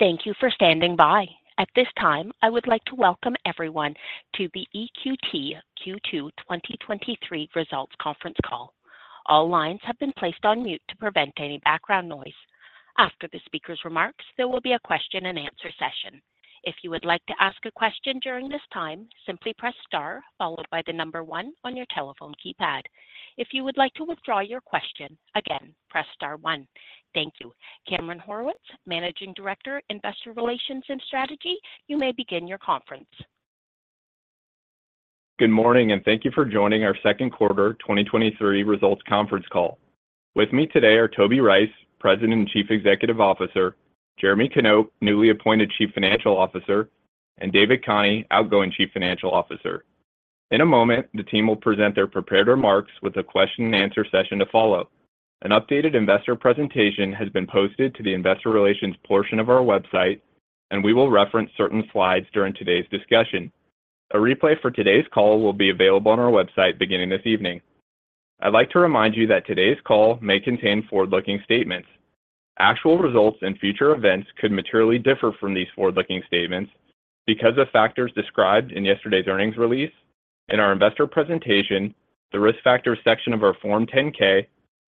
Thank you for standing by. At this time, I would like to welcome everyone to the EQT Q2 2023 results conference call. All lines have been placed on mute to prevent any background noise. After the speaker's remarks, there will be a question-and-answer session. If you would like to ask a question during this time, simply press star followed by the number one on your telephone keypad. If you would like to withdraw your question, again, press star one. Thank you. Cameron Horwitz, Managing Director, Investor Relations and Strategy, you may begin your conference. Good morning, thank you for joining our second quarter 2023 results conference call. With me today are Toby Rice, President and Chief Executive Officer, Jeremy Knop, newly appointed Chief Financial Officer, and David Khani, outgoing Chief Financial Officer. In a moment, the team will present their prepared remarks with a question-and-answer session to follow. An updated investor presentation has been posted to the investor relations portion of our website, and we will reference certain slides during today's discussion. A replay for today's call will be available on our website beginning this evening. I'd like to remind you that today's call may contain forward-looking statements. Actual results and future events could materially differ from these forward-looking statements because of factors described in yesterday's earnings release and our investor presentation, the Risk Factors section of our Form 10-K,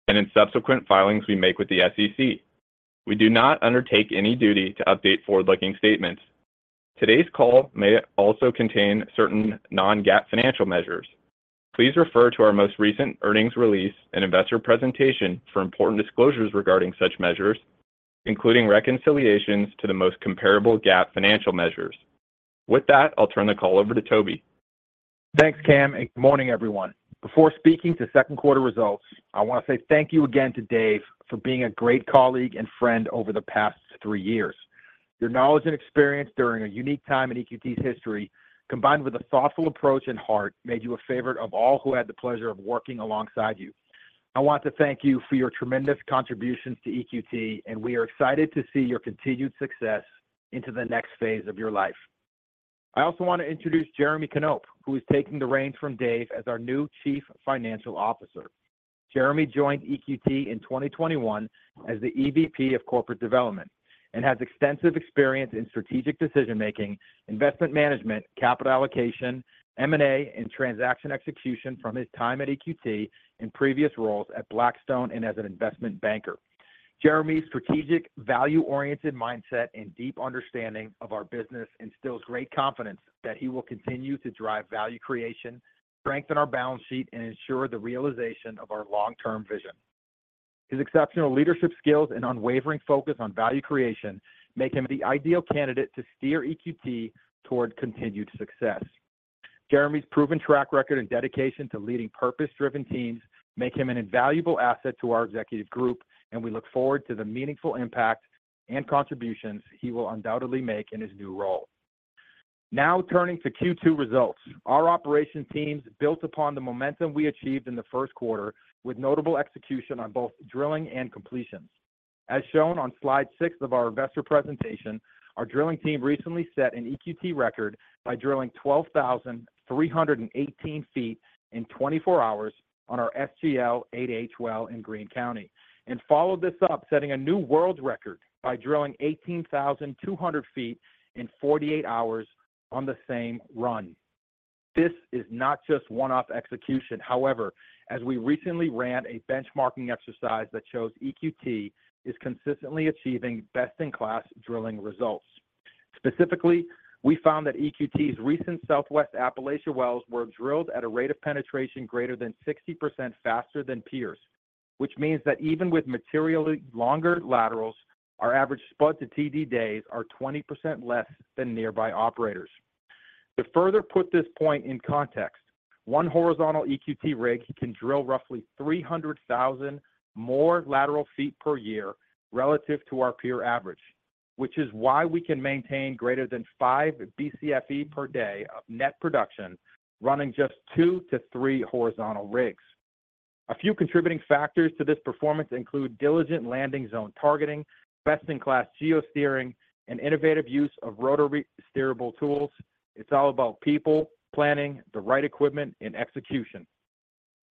and in subsequent filings we make with the SEC. We do not undertake any duty to update forward-looking statements. Today's call may also contain certain non-GAAP financial measures. Please refer to our most recent earnings release and investor presentation for important disclosures regarding such measures, including reconciliations to the most comparable GAAP financial measures. With that, I'll turn the call over to Toby. Thanks, Cam, and good morning, everyone. Before speaking to second quarter results, I want to say thank you again to Dave for being a great colleague and friend over the past three years. Your knowledge and experience during a unique time in EQT's history, combined with a thoughtful approach and heart, made you a favorite of all who had the pleasure of working alongside you. I want to thank you for your tremendous contributions to EQT, and we are excited to see your continued success into the next phase of your life. I also want to introduce Jeremy Knop, who is taking the reins from Dave as our new Chief Financial Officer. Jeremy joined EQT in 2021 as the EVP of Corporate Development and has extensive experience in strategic decision-making, investment management, capital allocation, M&A, and transaction execution from his time at EQT in previous roles at Blackstone and as an investment banker. Jeremy's strategic, value-oriented mindset and deep understanding of our business instills great confidence that he will continue to drive value creation, strengthen our balance sheet, and ensure the realization of our long-term vision. His exceptional leadership skills and unwavering focus on value creation make him the ideal candidate to steer EQT towards continued success. Jeremy's proven track record and dedication to leading purpose-driven teams make him an invaluable asset to our executive group, and we look forward to the meaningful impact and contributions he will undoubtedly make in his new role. Now, turning to Q2 results. Our operation teams built upon the momentum we achieved in the first quarter, with notable execution on both drilling and completions. As shown on slide six of our investor presentation, our drilling team recently set an EQT record by drilling 12,318 ft in 24 hours on our FGL-8H well in Greene County, and followed this up, setting a new world record by drilling 18,200 ft in 48 hours on the same run. This is not just one-off execution. However, as we recently ran a benchmarking exercise that shows EQT is consistently achieving best-in-class drilling results. Specifically, we found that EQT's recent Southwest Appalachia wells were drilled at a rate of penetration greater than 60% faster than peers, which means that even with materially longer laterals, our average spud to TD days are 20% less than nearby operators. To further put this point in context, one horizontal EQT rig can drill roughly 300,000 more lateral feet per year relative to our peer average, which is why we can maintain greater than 5 BCFE per day of net production, running just two to three horizontal rigs. A few contributing factors to this performance include diligent landing zone targeting, best-in-class geosteering, and innovative use of rotary steerable tools. It's all about people, planning, the right equipment, and execution.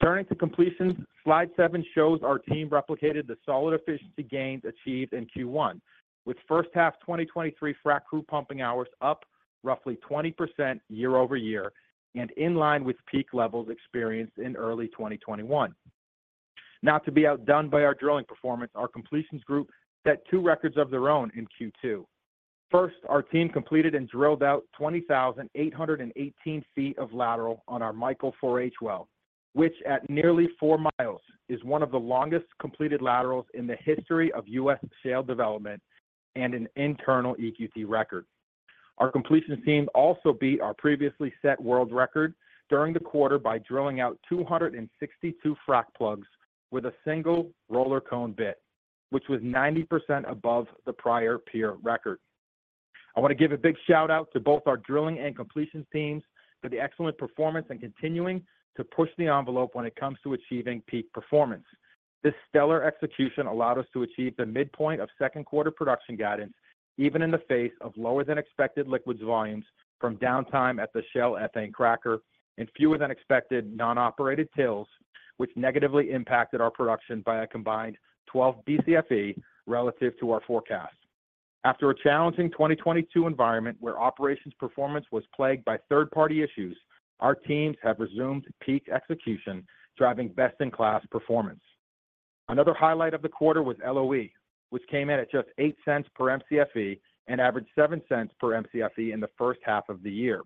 Turning to completion, slide seven shows our team replicated the solid efficiency gains achieved in Q1, with first half 2023 frack crew pumping hours up roughly 20% year-over-year and in line with peak levels experienced in early 2021. Not to be outdone by our drilling performance, our completions group set two records of their own in Q2. First, our team completed and drilled out 20,818 ft of lateral on our Michael 4H well, which at nearly 4 miles, is one of the longest completed laterals in the history of U.S. shale development and an internal EQT record. Our completion team also beat our previously set world record during the quarter by drilling out 262 frack plugs with a single roller cone bit, which was 90% above the prior peer record. I want to give a big shout-out to both our drilling and completion teams for the excellent performance and continuing to push the envelope when it comes to achieving peak performance. This stellar execution allowed us to achieve the midpoint of second quarter production guidance, even in the face of lower-than-expected liquids volumes from downtime at the Shell ethane cracker and fewer than expected non-operated tills, which negatively impacted our production by a combined 12 BCFE relative to our forecast. After a challenging 2022 environment where operations performance was plagued by third-party issues, our teams have resumed peak execution, driving best-in-class performance. Another highlight of the quarter was LOE, which came in at just $0.08 per Mcfe and averaged $0.07 per Mcfe in the first half of the year.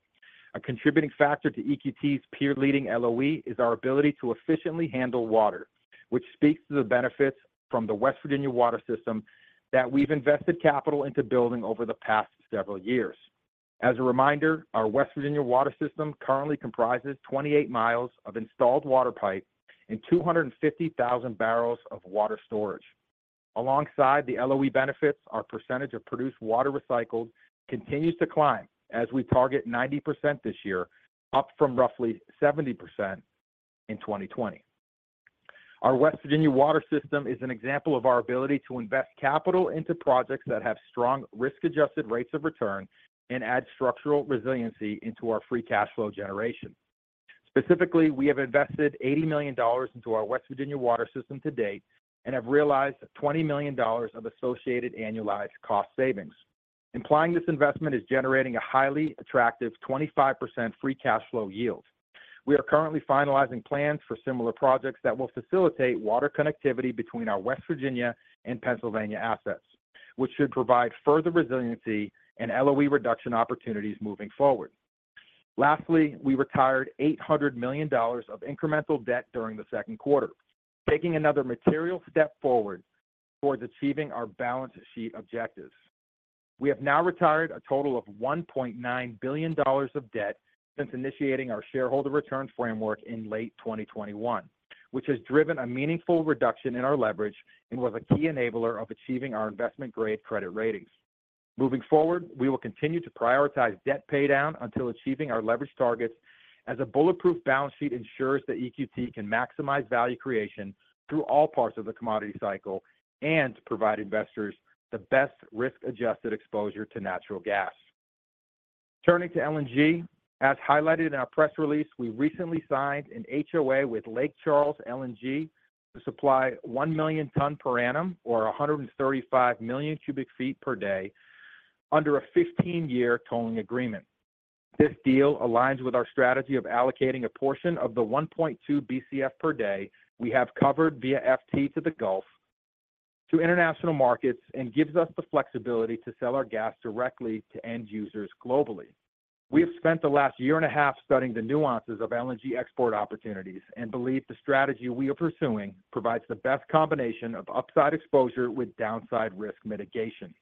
A contributing factor to EQT's peer-leading LOE is our ability to efficiently handle water, which speaks to the benefits from the West Virginia water system that we've invested capital into building over the past several years. As a reminder, our West Virginia water system currently comprises 28 miles of installed water pipe and 250,000 bbl of water storage. Alongside the LOE benefits, our percentage of produced water recycled continues to climb as we target 90% this year, up from roughly 70% in 2020. Our West Virginia water system is an example of our ability to invest capital into projects that have strong risk-adjusted rates of return and add structural resiliency into our free cash flow generation. Specifically, we have invested $80 million into our West Virginia water system to date and have realized $20 million of associated annualized cost savings, implying this investment is generating a highly attractive 25% free cash flow yield. We are currently finalizing plans for similar projects that will facilitate water connectivity between our West Virginia and Pennsylvania assets, which should provide further resiliency and LOE reduction opportunities moving forward. Lastly, we retired $800 million of incremental debt during the second quarter, taking another material step forward towards achieving our balance sheet objectives. We have now retired a total of $1.9 billion of debt since initiating our shareholder return framework in late 2021, which has driven a meaningful reduction in our leverage and was a key enabler of achieving our investment-grade credit ratings. Moving forward, we will continue to prioritize debt paydown until achieving our leverage targets, as a bulletproof balance sheet ensures that EQT can maximize value creation through all parts of the commodity cycle and provide investors the best risk-adjusted exposure to natural gas. Turning to LNG, as highlighted in our press release, we recently signed an HOA with Lake Charles LNG to supply 1 million ton per annum, or 135 million cu ft per day, under a 15-year tolling agreement. This deal aligns with our strategy of allocating a portion of the 1.2 Bcf per day we have covered via FT to the Gulf, to international markets and gives us the flexibility to sell our gas directly to end users globally. We have spent the last year and a half studying the nuances of LNG export opportunities and believe the strategy we are pursuing provides the best combination of upside exposure with downside risk mitigation.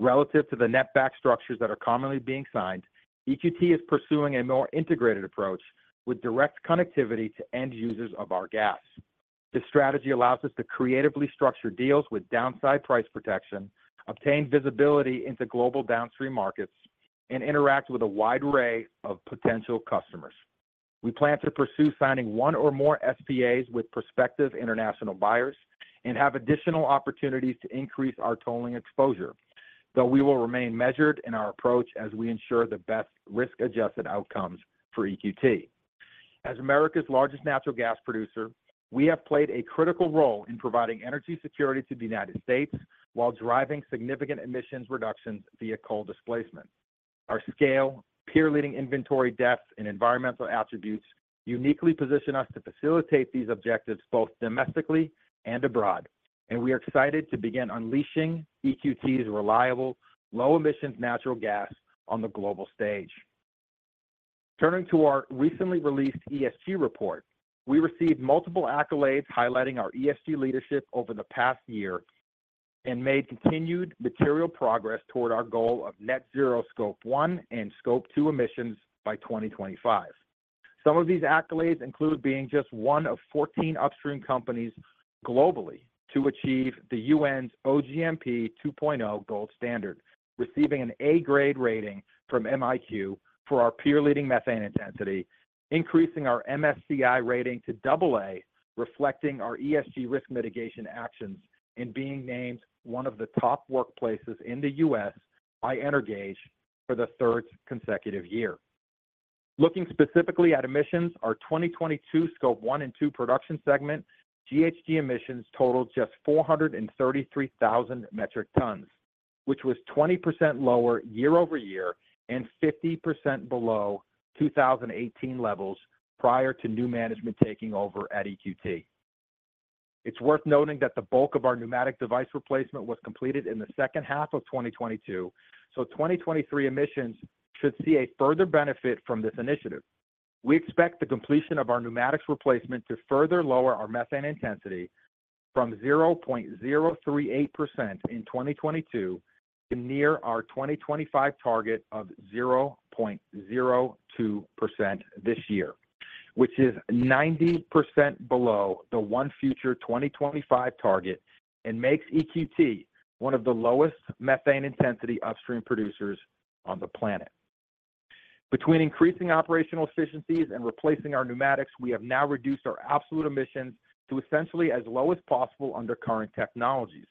Relative to the net-back structures that are commonly being signed, EQT is pursuing a more integrated approach with direct connectivity to end users of our gas. This strategy allows us to creatively structure deals with downside price protection, obtain visibility into global downstream markets, and interact with a wide array of potential customers. We plan to pursue signing one or more SPAs with prospective international buyers and have additional opportunities to increase our tolling exposure, though we will remain measured in our approach as we ensure the best risk-adjusted outcomes for EQT. As America's largest natural gas producer, we have played a critical role in providing energy security to the United States while driving significant emissions reductions via coal displacement. Our scale, peer-leading inventory depth, and environmental attributes uniquely position us to facilitate these objectives both domestically and abroad, and we are excited to begin unleashing EQT's reliable, low-emissions natural gas on the global stage. Turning to our recently released ESG report, we received multiple accolades highlighting our ESG leadership over the past year and made continued material progress toward our goal of net zero Scope 1 and Scope 2 emissions by 2025. Some of these accolades include being just 1 of 14 upstream companies globally to achieve the UN's OGMP 2.0 Gold Standard, receiving an A-grade rating from MiQ for our peer-leading methane intensity, increasing our MSCI rating to AA, reflecting our ESG risk mitigation actions, and being named one of the top workplaces in the US by Energage for the third consecutive year. Looking specifically at emissions, our 2022 Scope 1 and 2 production segment, GHG emissions totaled just 433,000 metric tons, which was 20% lower year-over-year and 50% below 2018 levels prior to new management taking over at EQT. It's worth noting that the bulk of our pneumatic device replacement was completed in the second half of 2022, so 2023 emissions should see a further benefit from this initiative. We expect the completion of our pneumatics replacement to further lower our methane intensity from 0.038% in 2022 to near our 2025 target of 0.02% this year, which is 90% below the ONE Future 2025 target and makes EQT one of the lowest methane intensity upstream producers on the planet. Between increasing operational efficiencies and replacing our pneumatics, we have now reduced our absolute emissions to essentially as low as possible under current technologies.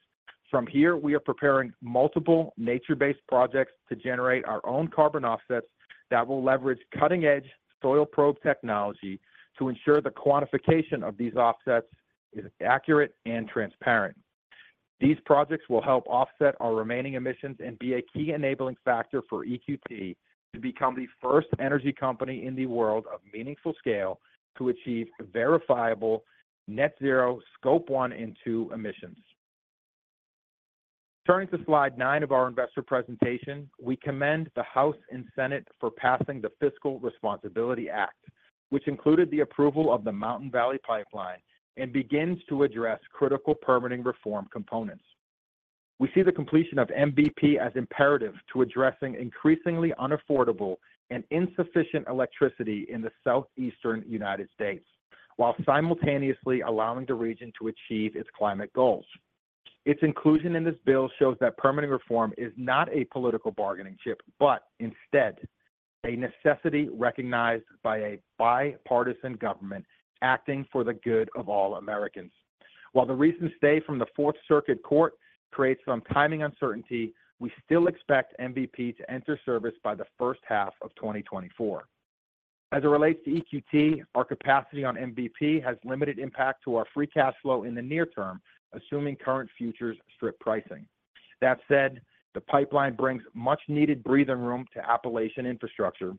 From here, we are preparing multiple nature-based projects to generate our own carbon offsets that will leverage cutting-edge soil probe technology to ensure the quantification of these offsets is accurate and transparent. These projects will help offset our remaining emissions and be a key enabling factor for EQT to become the first energy company in the world of meaningful scale to achieve verifiable net zero Scope 1 and Scope 2 emissions. Turning to slide nine of our investor presentation, we commend the House and Senate for passing the Fiscal Responsibility Act, which included the approval of the Mountain Valley Pipeline and begins to address critical permitting reform components. We see the completion of MVP as imperative to addressing increasingly unaffordable and insufficient electricity in the Southeastern United States, while simultaneously allowing the region to achieve its climate goals. Its inclusion in this bill shows that permanent reform is not a political bargaining chip, but instead, a necessity recognized by a bipartisan government acting for the good of all Americans. While the recent stay from the Fourth Circuit Court creates some timing uncertainty, we still expect MVP to enter service by the first half of 2024. As it relates to EQT, our capacity on MVP has limited impact to our free cash flow in the near term, assuming current futures strip pricing. That said, the pipeline brings much needed breathing room to Appalachian infrastructure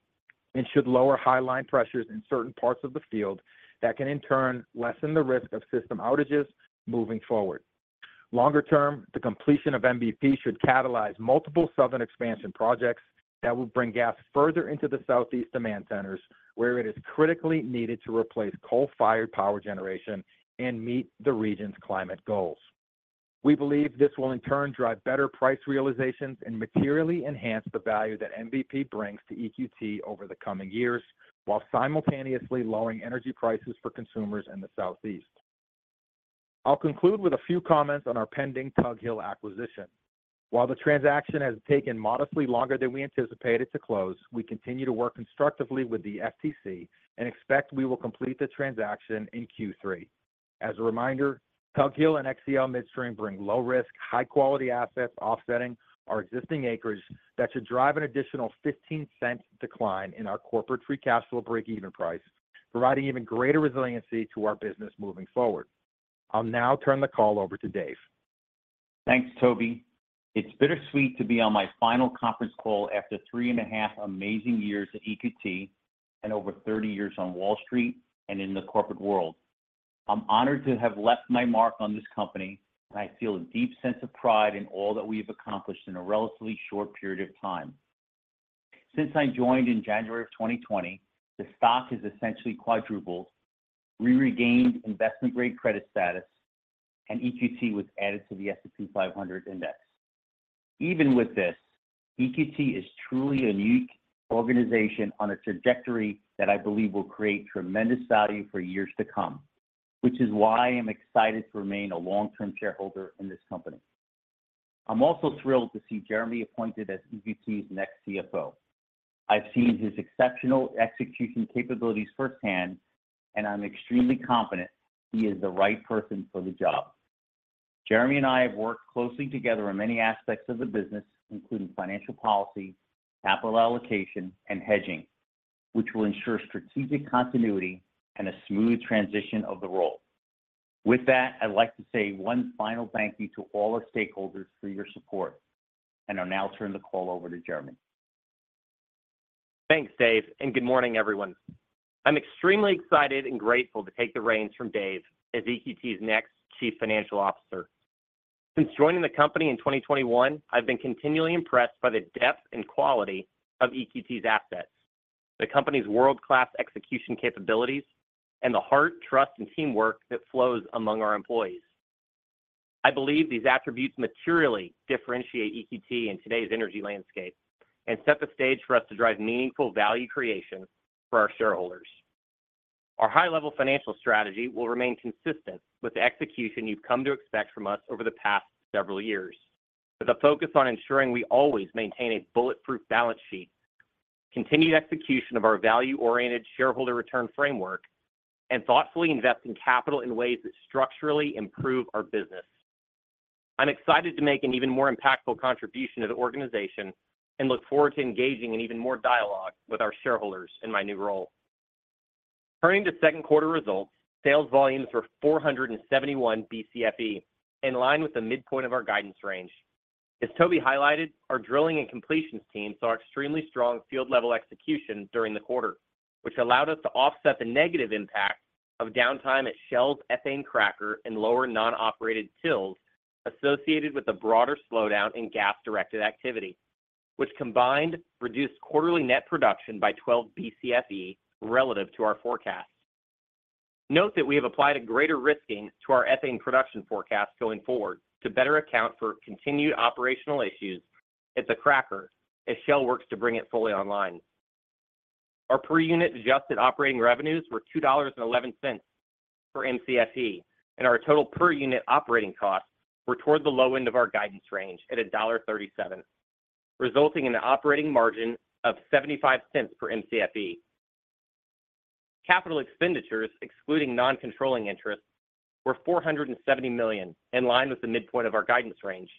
and should lower high line pressures in certain parts of the field that can in turn lessen the risk of system outages moving forward. Longer term, the completion of MVP should catalyze multiple southern expansion projects that will bring gas further into the Southeast demand centers, where it is critically needed to replace coal-fired power generation and meet the region's climate goals. We believe this will in turn drive better price realizations and materially enhance the value that MVP brings to EQT over the coming years, while simultaneously lowering energy prices for consumers in the Southeast. I'll conclude with a few comments on our pending Tug Hill acquisition. The transaction has taken modestly longer than we anticipated to close, we continue to work constructively with the FTC and expect we will complete the transaction in Q3. As a reminder, Tug Hill and XcL Midstream bring low-risk, high-quality assets, offsetting our existing acreage that should drive an additional $0.15 decline in our corporate free cash flow break-even price, providing even greater resiliency to our business moving forward. I'll now turn the call over to Dave. Thanks, Toby. It's bittersweet to be on my final conference call after three and a half amazing years at EQT, and over 30 years on Wall Street and in the corporate world. I'm honored to have left my mark on this company, and I feel a deep sense of pride in all that we've accomplished in a relatively short period of time. Since I joined in January 2020, the stock has essentially quadrupled. We regained investment-grade credit status, and EQT was added to the S&P 500 Index. Even with this, EQT is truly a unique organization on a trajectory that I believe will create tremendous value for years to come, which is why I am excited to remain a long-term shareholder in this company. I'm also thrilled to see Jeremy appointed as EQT's next CFO. I've seen his exceptional execution capabilities firsthand, and I'm extremely confident he is the right person for the job. Jeremy and I have worked closely together on many aspects of the business, including financial policy, capital allocation, and hedging, which will ensure strategic continuity and a smooth transition of the role. With that, I'd like to say one final thank you to all our stakeholders for your support, and I'll now turn the call over to Jeremy. Thanks, Dave, and good morning, everyone. I'm extremely excited and grateful to take the reins from Dave as EQT's next Chief Financial Officer. Since joining the company in 2021, I've been continually impressed by the depth and quality of EQT's assets, the company's world-class execution capabilities, and the heart, trust, and teamwork that flows among our employees. I believe these attributes materially differentiate EQT in today's energy landscape and set the stage for us to drive meaningful value creation for our shareholders. Our high-level financial strategy will remain consistent with the execution you've come to expect from us over the past several years, with a focus on ensuring we always maintain a bulletproof balance sheet, continued execution of our value-oriented shareholder return framework, and thoughtfully investing capital in ways that structurally improve our business. I'm excited to make an even more impactful contribution to the organization and look forward to engaging in even more dialogue with our shareholders in my new role. Turning to second quarter results, sales volumes were 471 Bcfe, in line with the midpoint of our guidance range. As Toby highlighted, our drilling and completions team saw extremely strong field-level execution during the quarter, which allowed us to offset the negative impact of downtime at Shell's ethane cracker and lower non-operated tills associated with the broader slowdown in gas-directed activity, which combined reduced quarterly net production by 12 Bcfe relative to our forecast. Note that we have applied a greater risking to our ethane production forecast going forward to better account for continued operational issues at the cracker as Shell works to bring it fully online. Our per-unit adjusted operating revenues were $2.11 for Mcfe. Our total per-unit operating costs were toward the low end of our guidance range at $1.37, resulting in an operating margin of $0.75 per Mcfe. Capital expenditures, excluding non-controlling interests, were $470 million, in line with the midpoint of our guidance range.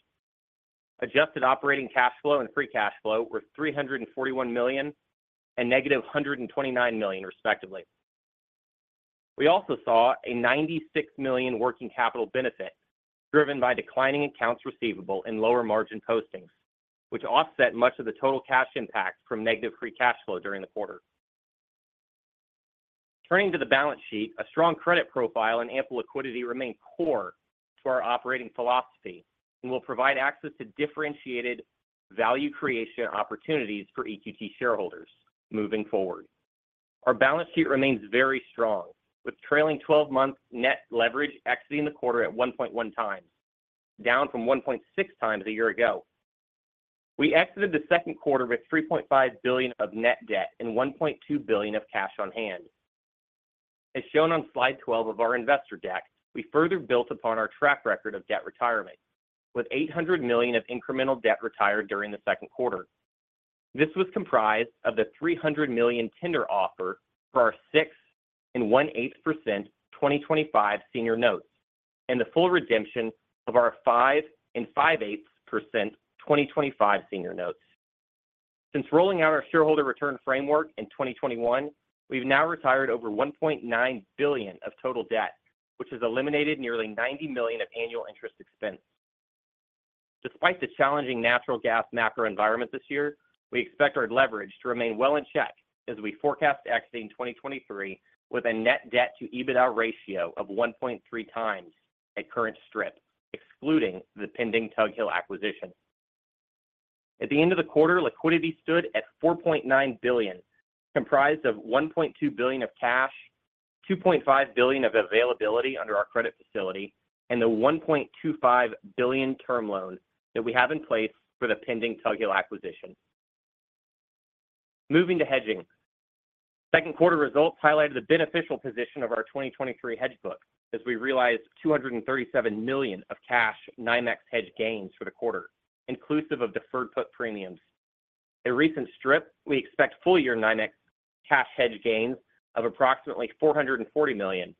Adjusted operating cash flow and free cash flow were $341 million and -$129 million respectively. We also saw a $96 million working capital benefit, driven by declining accounts receivable and lower margin postings, which offset much of the total cash impact from negative free cash flow during the quarter. Turning to the balance sheet, a strong credit profile and ample liquidity remain core to our operating philosophy and will provide access to differentiated value creation opportunities for EQT shareholders moving forward. Our balance sheet remains very strong, with trailing 12-month net leverage exiting the quarter at 1.1x, down from 1.6x a year ago. We exited the second quarter with $3.5 billion of net debt and $1.2 billion of cash on hand. As shown on slide 12 of our investor deck, we further built upon our track record of debt retirement, with $800 million of incremental debt retired during the second quarter. This was comprised of the $300 million tender offer for our 6 and 1/8% 2025 senior notes and the full redemption of our 5 and 5/8% 2025 senior notes. Since rolling out our shareholder return framework in 2021, we've now retired over $1.9 billion of total debt, which has eliminated nearly $90 million of annual interest expense. Despite the challenging natural gas macro environment this year, we expect our leverage to remain well in check as we forecast exiting 2023 with a net debt to EBITDA ratio of 1.3x at current strip, excluding the pending Tug Hill acquisition. At the end of the quarter, liquidity stood at $4.9 billion, comprised of $1.2 billion of cash, $2.5 billion of availability under our credit facility, and the $1.25 billion term loan that we have in place for the pending Tug Hill acquisition. Moving to hedging. Second quarter results highlighted the beneficial position of our 2023 hedge book, as we realized $237 million of cash NYMEX hedge gains for the quarter, inclusive of deferred put premiums. In recent strip, we expect full year NYMEX cash hedge gains of approximately $440 million,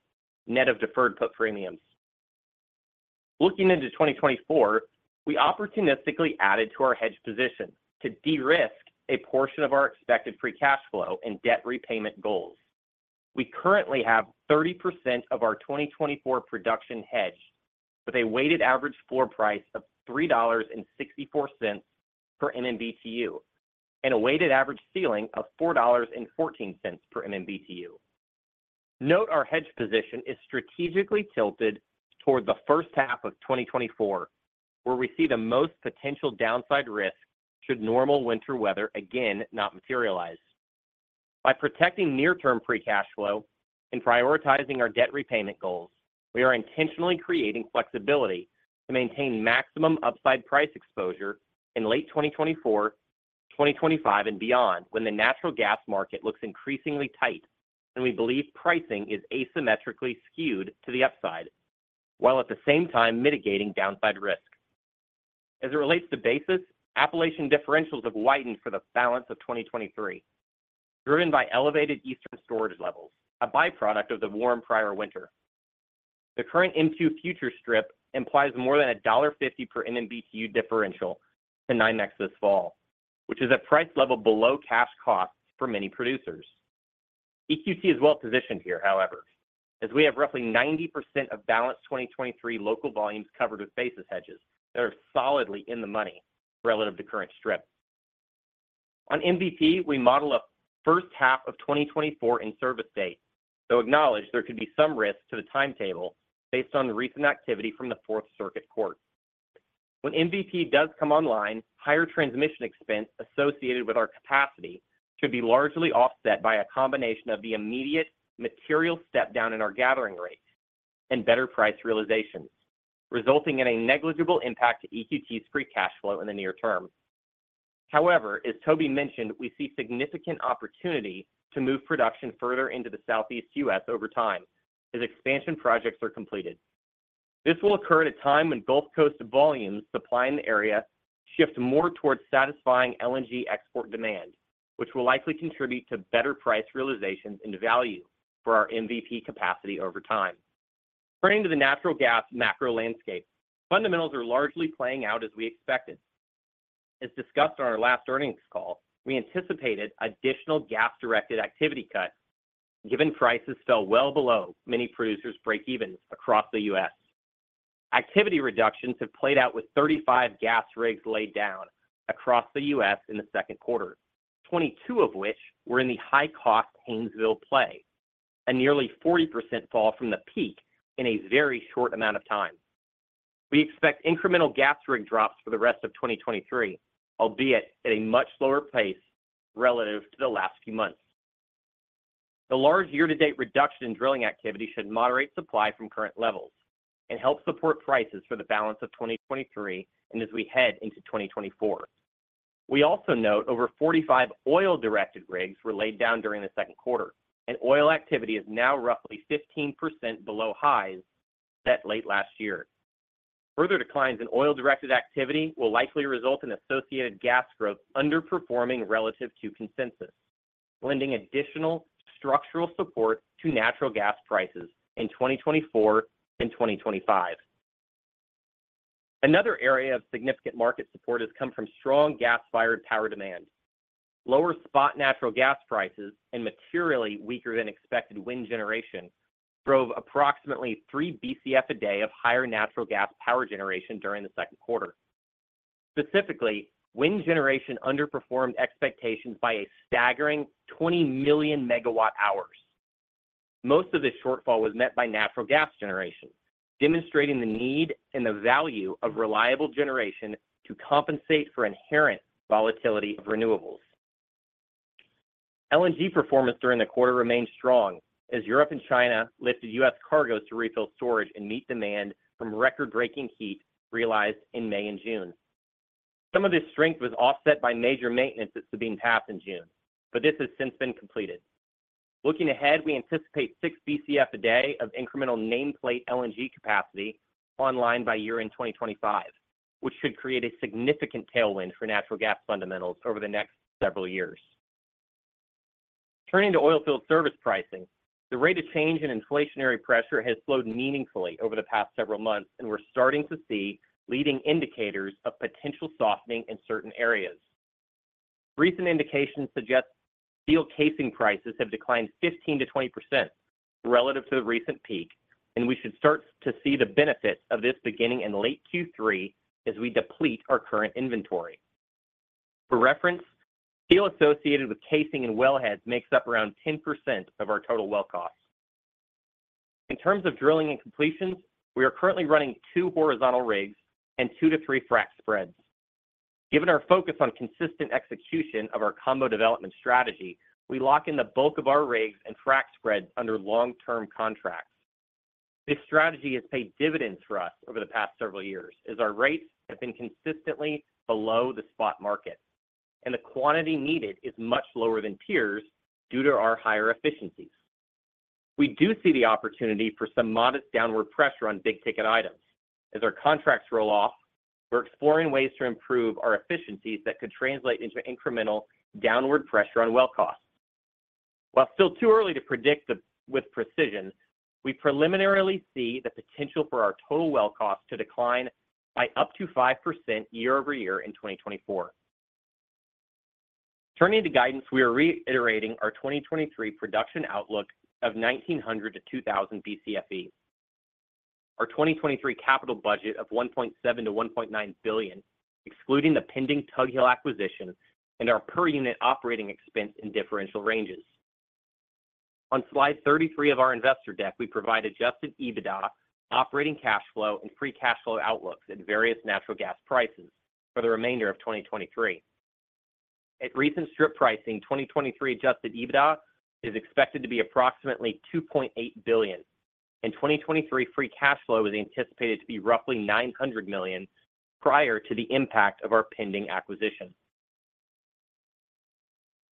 net of deferred put premiums. Looking into 2024, we opportunistically added to our hedge position to de-risk a portion of our expected free cash flow and debt repayment goals. We currently have 30% of our 2024 production hedged, with a weighted average floor price of $3.64 per MMBtu and a weighted average ceiling of $4.14 per MMBtu. Note our hedge position is strategically tilted toward the first half of 2024, where we see the most potential downside risk should normal winter weather again not materialize. By protecting near term free cash flow and prioritizing our debt repayment goals, we are intentionally creating flexibility to maintain maximum upside price exposure in late 2024, 2025, and beyond, when the natural gas market looks increasingly tight and we believe pricing is asymmetrically skewed to the upside, while at the same time mitigating downside risk. As it relates to basis, Appalachian differentials have widened for the balance of 2023, driven by elevated eastern storage levels, a byproduct of the warm prior winter. The current M2 future strip implies more than a $1.50 per MMBtu differential to NYMEX this fall, which is a price level below cash costs for many producers. EQT is well positioned here, however, as we have roughly 90% of balanced 2023 local volumes covered with basis hedges that are solidly in the money relative to current strip. On MVP, we model a first half of 2024 in service date, though acknowledge there could be some risk to the timetable based on recent activity from the Fourth Circuit Court. When MVP does come online, higher transmission expense associated with our capacity should be largely offset by a combination of the immediate material step down in our gathering rate and better price realizations, resulting in a negligible impact to EQT's free cash flow in the near term. However, as Toby mentioned, we see significant opportunity to move production further into the Southeast U.S. over time as expansion projects are completed. This will occur at a time when Gulf Coast volumes supplying the area shift more towards satisfying LNG export demand, which will likely contribute to better price realizations and value for our MVP capacity over time. Turning to the natural gas macro landscape, fundamentals are largely playing out as we expected. As discussed on our last earnings call, we anticipated additional gas-directed activity cuts, given prices fell well below many producers' break-evens across the U.S. Activity reductions have played out, with 35 gas rigs laid down across the U.S. in the second quarter, 22 of which were in the high-cost Haynesville Play, a nearly 40% fall from the peak in a very short amount of time. We expect incremental gas rig drops for the rest of 2023, albeit at a much slower pace relative to the last few months. The large year-to-date reduction in drilling activity should moderate supply from current levels and help support prices for the balance of 2023 and as we head into 2024. We also note over 45 oil-directed rigs were laid down during the second quarter, and oil activity is now roughly 15% below highs set late last year. Further declines in oil-directed activity will likely result in associated gas growth underperforming relative to consensus. Lending additional structural support to natural gas prices in 2024 and 2025. Another area of significant market support has come from strong gas-fired power demand. Lower spot natural gas prices and materially weaker than expected wind generation drove approximately 3 Bcf a day of higher natural gas power generation during the second quarter. Specifically, wind generation underperformed expectations by a staggering 20 million megawatt hours. Most of this shortfall was met by natural gas generation, demonstrating the need and the value of reliable generation to compensate for inherent volatility of renewables. LNG performance during the quarter remained strong as Europe and China lifted U.S. cargoes to refill storage and meet demand from record-breaking heat realized in May and June. Some of this strength was offset by major maintenance at Sabine Pass in June, but this has since been completed. Looking ahead, we anticipate 6 Bcf a day of incremental nameplate LNG capacity online by year-end 2025, which should create a significant tailwind for natural gas fundamentals over the next several years. Turning to oilfield service pricing, the rate of change in inflationary pressure has slowed meaningfully over the past several months, and we're starting to see leading indicators of potential softening in certain areas. Recent indications suggest steel casing prices have declined 15%-20% relative to the recent peak. We should start to see the benefits of this beginning in late Q3 as we deplete our current inventory. For reference, steel associated with casing and wellheads makes up around 10% of our total well costs. In terms of drilling and completions, we are currently running two horizontal rigs and two to three frack spreads. Given our focus on consistent execution of our combo development strategy, we lock in the bulk of our rigs and frack spreads under long-term contracts. This strategy has paid dividends for us over the past several years, as our rates have been consistently below the spot market. The quantity needed is much lower than peers due to our higher efficiencies. We do see the opportunity for some modest downward pressure on big-ticket items. As our contracts roll off, we're exploring ways to improve our efficiencies that could translate into incremental downward pressure on well costs. While it's still too early to predict with precision, we preliminarily see the potential for our total well cost to decline by up to 5% year-over-year in 2024. Turning to guidance, we are reiterating our 2023 production outlook of 1,900 Bcfe-2,000 Bcfe, our 2023 capital budget of $1.7 billion-$1.9 billion, excluding the pending Tug Hill acquisition and our per-unit operating expense in differential ranges. On slide 33 of our investor deck, we provide adjusted EBITDA, operating cash flow, and free cash flow outlooks at various natural gas prices for the remainder of 2023. At recent strip pricing, 2023 adjusted EBITDA is expected to be approximately $2.8 billion, and 2023 free cash flow is anticipated to be roughly $900 million prior to the impact of our pending acquisition.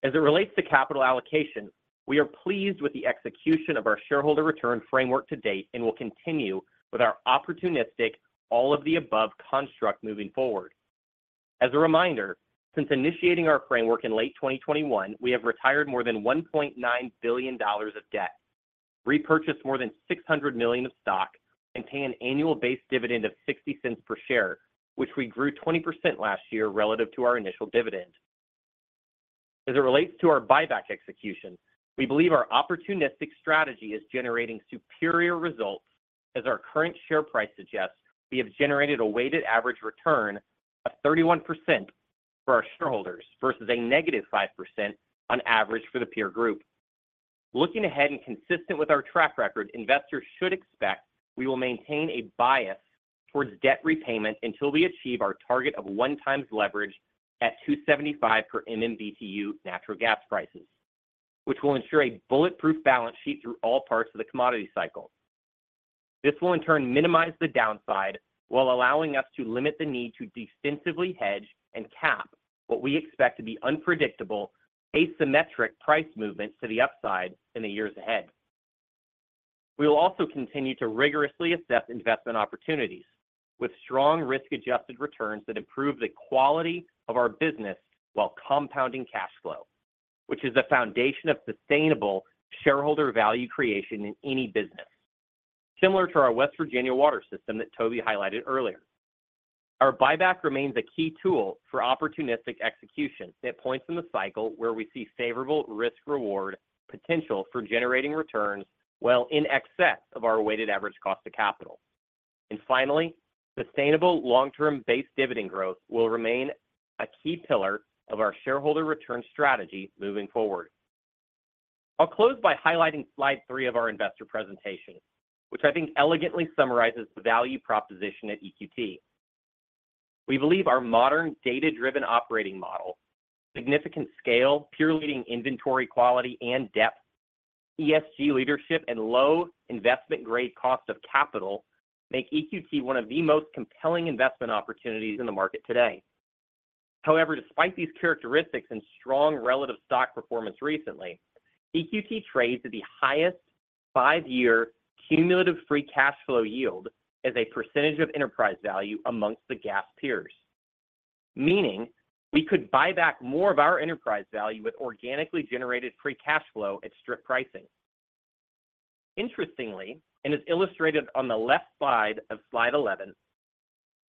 As it relates to capital allocation, we are pleased with the execution of our shareholder return framework to date and will continue with our opportunistic, all-of-the-above construct moving forward. As a reminder, since initiating our framework in late 2021, we have retired more than $1.9 billion of debt, repurchased more than $600 million of stock, and pay an annual base dividend of $0.60 per share, which we grew 20% last year relative to our initial dividend. As it relates to our buyback execution, we believe our opportunistic strategy is generating superior results. As our current share price suggests, we have generated a weighted average return of 31% for our shareholders versus a -5% on average for the peer group. Looking ahead and consistent with our track record, investors should expect we will maintain a bias towards debt repayment until we achieve our target of 1x leverage at $2.75 per MMBtu natural gas prices, which will ensure a bulletproof balance sheet through all parts of the commodity cycle. This will in turn minimize the downside while allowing us to limit the need to defensively hedge and cap what we expect to be unpredictable, asymmetric price movements to the upside in the years ahead. We will also continue to rigorously assess investment opportunities with strong risk-adjusted returns that improve the quality of our business while compounding cash flow, which is the foundation of sustainable shareholder value creation in any business. Similar to our West Virginia water system that Toby highlighted earlier, our buyback remains a key tool for opportunistic execution at points in the cycle where we see favorable risk-reward potential for generating returns well in excess of our weighted average cost of capital. Finally, sustainable long-term base dividend growth will remain a key pillar of our shareholder return strategy moving forward. I'll close by highlighting slide three of our investor presentation, which I think elegantly summarizes the value proposition at EQT. We believe our modern, data-driven operating model, significant scale, peer-leading inventory, quality and depth, ESG leadership, and low investment-grade cost of capital make EQT one of the most compelling investment opportunities in the market today. Despite these characteristics and strong relative stock performance recently, EQT trades at the highest five-year cumulative free cash flow yield as a % of enterprise value amongst the gas peers. Meaning, we could buy back more of our enterprise value with organically generated free cash flow at strip pricing. As illustrated on the left side of slide 11,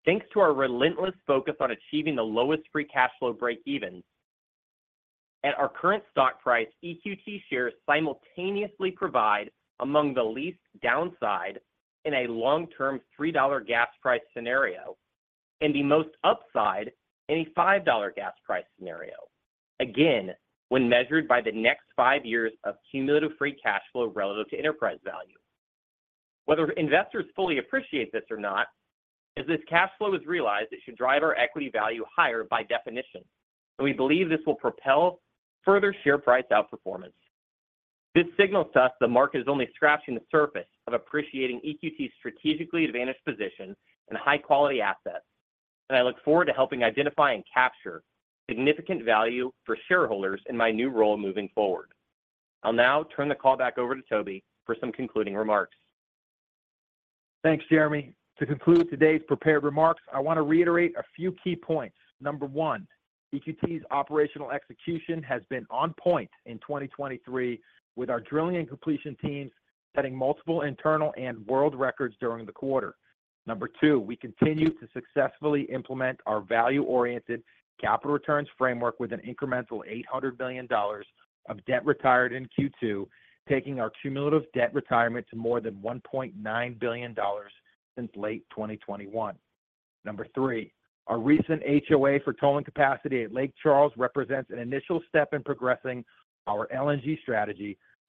thanks to our relentless focus on achieving the lowest free cash flow breakeven, at our current stock price, EQT shares simultaneously provide among the least downside in a long-term $3 gas price scenario, and the most upside in a $5 gas price scenario. When measured by the next five years of cumulative free cash flow relative to enterprise value. Whether investors fully appreciate this or not, as this cash flow is realized, it should drive our equity value higher by definition. We believe this will propel further share price outperformance. This signals to us the market is only scratching the surface of appreciating EQT's strategically advantaged position and high-quality assets. I look forward to helping identify and capture significant value for shareholders in my new role moving forward. I'll now turn the call back over to Toby for some concluding remarks. Thanks, Jeremy. To conclude today's prepared remarks, I want to reiterate a few key points. Number one: EQT's operational execution has been on point in 2023, with our drilling and completion teams setting multiple internal and world records during the quarter. Number two: we continue to successfully implement our value-oriented capital returns framework with an incremental $800 billion of debt retired in Q2, taking our cumulative debt retirement to more than $1.9 billion since late 2021. Number three: our recent HOA for tolling capacity at Lake Charles represents an initial step in progressing our LNG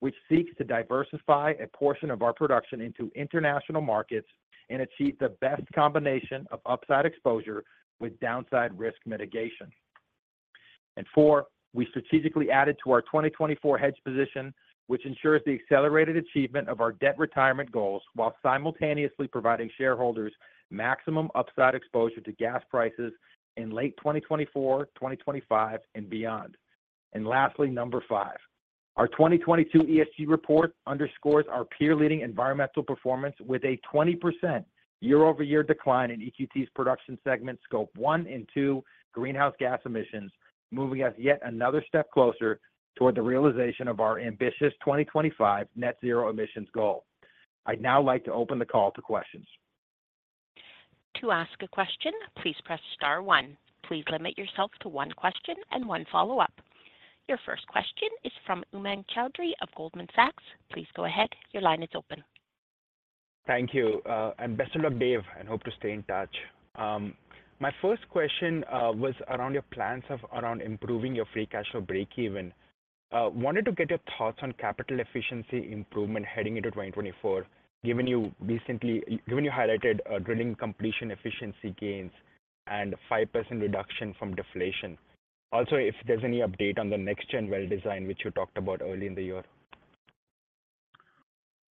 strategy, which seeks to diversify a portion of our production into international markets and achieve the best combination of upside exposure with downside risk mitigation. Four, we strategically added to our 2024 hedge position, which ensures the accelerated achievement of our debt retirement goals, while simultaneously providing shareholders maximum upside exposure to gas prices in late 2024, 2025, and beyond. Lastly, number five: our 2022 ESG report underscores our peer-leading environmental performance with a 20% year-over-year decline in EQT's production segment, Scope 1 and Scope 2 greenhouse gas emissions, moving us yet another step closer toward the realization of our ambitious 2025 net zero emissions goal. I'd now like to open the call to questions. To ask a question, please press star one. Please limit yourself to one question and one follow-up. Your first question is from Umang Choudhary of Goldman Sachs. Please go ahead. Your line is open. Thank you. Best of luck, Dave, and hope to stay in touch. My first question was around your plans of around improving your free cash flow breakeven. Wanted to get your thoughts on capital efficiency improvement heading into 2024, given you highlighted drilling completion efficiency gains and a 5% reduction from deflation. Also, if there's any update on the next gen well design, which you talked about earlier in the year.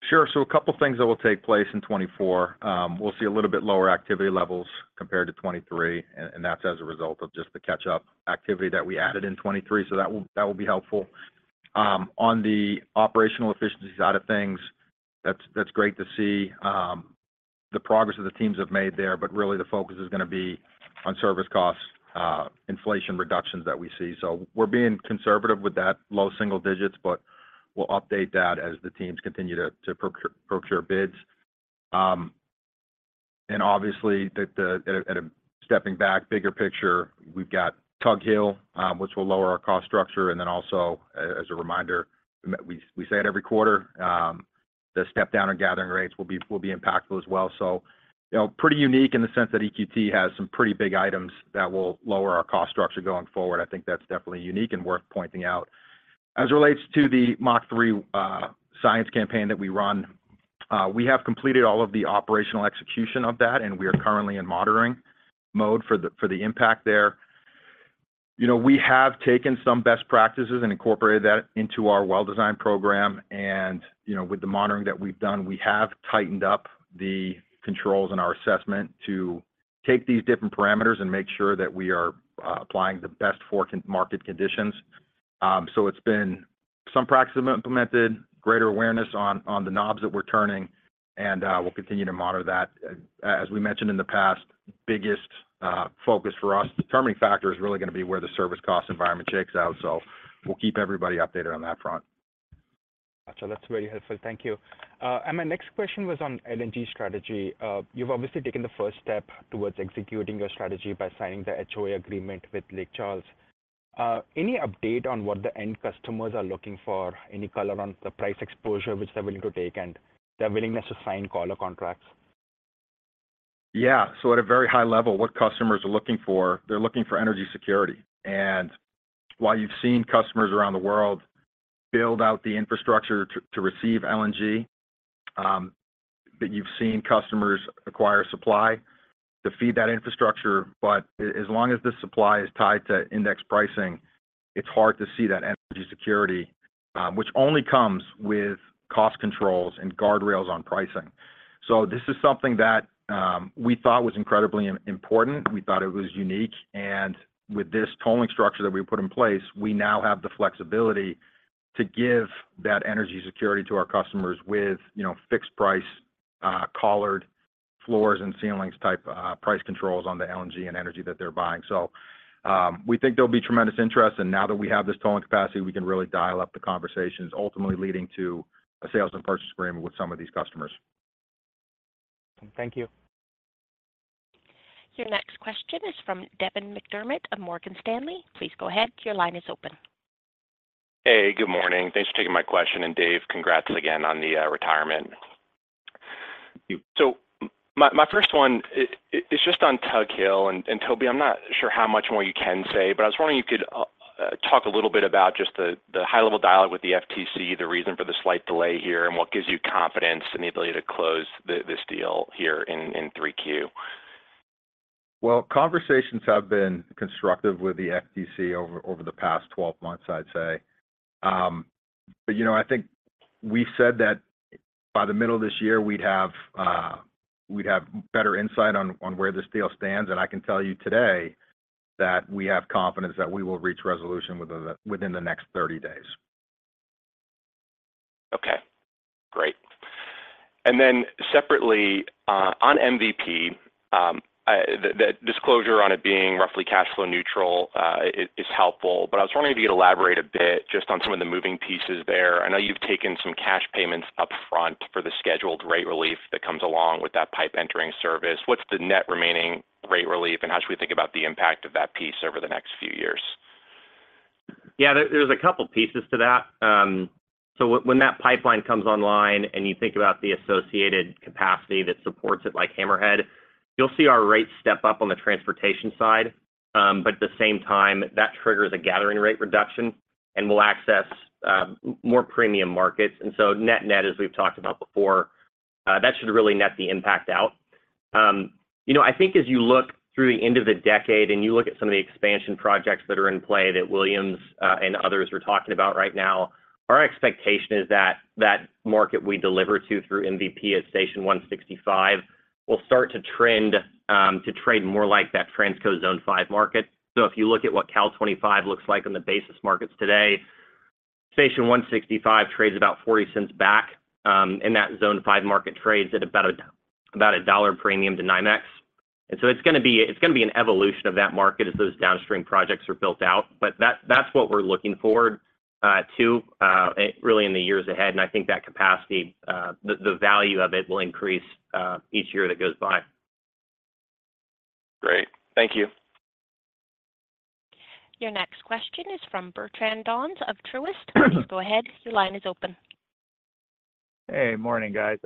Sure. A couple of things that will take place in 2024. We'll see a little bit lower activity levels compared to 2023, and that's as a result of just the catch-up activity that we added in 2023. That will be helpful. On the operational efficiency side of things, that's great to see the progress that the teams have made there, but really, the focus is gonna be on service costs, inflation reductions that we see. We're being conservative with that low single digits, but we'll update that as the teams continue to procure bids. And obviously, stepping back, bigger picture, we've got Tug Hill, which will lower our cost structure. Also, as a reminder, we say it every quarter, the step down on gathering rates will be impactful as well. You know, pretty unique in the sense that EQT has some pretty big items that will lower our cost structure going forward. I think that's definitely unique and worth pointing out. As it relates to the Mach 3 science campaign that we run, we have completed all of the operational execution of that, and we are currently in monitoring mode for the impact there. You know, we have taken some best practices and incorporated that into our well design program, and, you know, with the monitoring that we've done, we have tightened up the controls and our assessment to take these different parameters and make sure that we are applying the best for market conditions. It's been some practices implemented, greater awareness on the knobs that we're turning, and we'll continue to monitor that. As we mentioned in the past, biggest focus for us, determining factor is really going to be where the service cost environment shakes out. We'll keep everybody updated on that front. Got you. That's very helpful. Thank you. My next question was on LNG strategy. You've obviously taken the first step towards executing your strategy by signing the HOA agreement with Lake Charles. Any update on what the end customers are looking for? Any color on the price exposure which they're willing to take and their willingness to sign collar contracts? At a very high level, what customers are looking for, they're looking for energy security. While you've seen customers around the world build out the infrastructure to receive LNG, that you've seen customers acquire supply to feed that infrastructure, but as long as the supply is tied to index pricing, it's hard to see that energy security, which only comes with cost controls and guardrails on pricing. This is something that we thought was incredibly important. We thought it was unique, and with this tolling structure that we put in place, we now have the flexibility to give that energy security to our customers with, you know, collared floors and ceilings type price controls on the LNG and energy that they're buying. We think there'll be tremendous interest, and now that we have this tolling capacity, we can really dial up the conversations, ultimately leading to a sales and purchase agreement with some of these customers. Thank you. Your next question is from Devin McDermott of Morgan Stanley. Please go ahead. Your line is open. Hey, good morning. Thanks for taking my question, and Dave, congrats again on the retirement. My first one is just on Tug Hill, and Toby, I'm not sure how much more you can say, but I was wondering if you could talk a little bit about just the high-level dialogue with the FTC, the reason for the slight delay here, and what gives you confidence in the ability to close this deal here in 3Q? Well, conversations have been constructive with the FTC over the past 12 months, I'd say. You know, I think we said that by the middle of this year, we'd have better insight on where this deal stands. I can tell you today that we have confidence that we will reach resolution within the next 30 days. Okay. Great. Separately, on MVP, the disclosure on it being roughly cash flow neutral, is helpful. I was wondering if you could elaborate a bit just on some of the moving pieces there. I know you've taken some cash payments upfront for the scheduled rate relief that comes along with that pipe entering service. What's the net remaining rate relief, and how should we think about the impact of that piece over the next few years? Yeah, there's a couple pieces to that. When that pipeline comes online and you think about the associated capacity that supports it, like Hammerhead, you'll see our rates step up on the transportation side. At the same time, that triggers a gathering rate reduction, and we'll access more premium markets. Net-net, as we've talked about before, that should really net the impact out. You know, I think as you look through the end of the decade, and you look at some of the expansion projects that are in play that Williams and others are talking about right now, our expectation is that that market we deliver to through MVP at Station 165, will start to trend to trade more like that Transco Zone 5 market. If you look at what Cal 25 looks like on the basis markets today, Station 165 trades about $0.40 back, and that Zone 5 market trades at about a $1 premium to NYMEX. It's gonna be an evolution of that market as those downstream projects are built out. That's what we're looking forward to really in the years ahead, and I think that capacity, the value of it will increase each year that goes by. Great. Thank you. Your next question is from Bertrand Donnes of Truist. Please go ahead. Your line is open. Hey, morning, guys.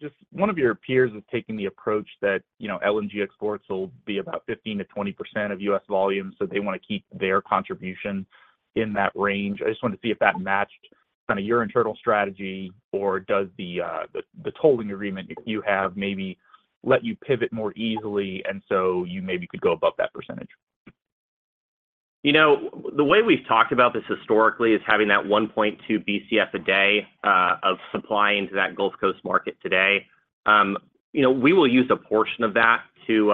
Just one of your peers is taking the approach that, you know, LNG exports will be about 15%-20% of U.S. volume, so they want to keep their contribution in that range. I just wanted to see if that matched kind of your internal strategy, or does the tolling agreement you have maybe let you pivot more easily, and so you maybe could go above that percentage? You know, the way we've talked about this historically is having that 1.2 Bcf a day, of supply into that Gulf Coast market today. You know, we will use a portion of that to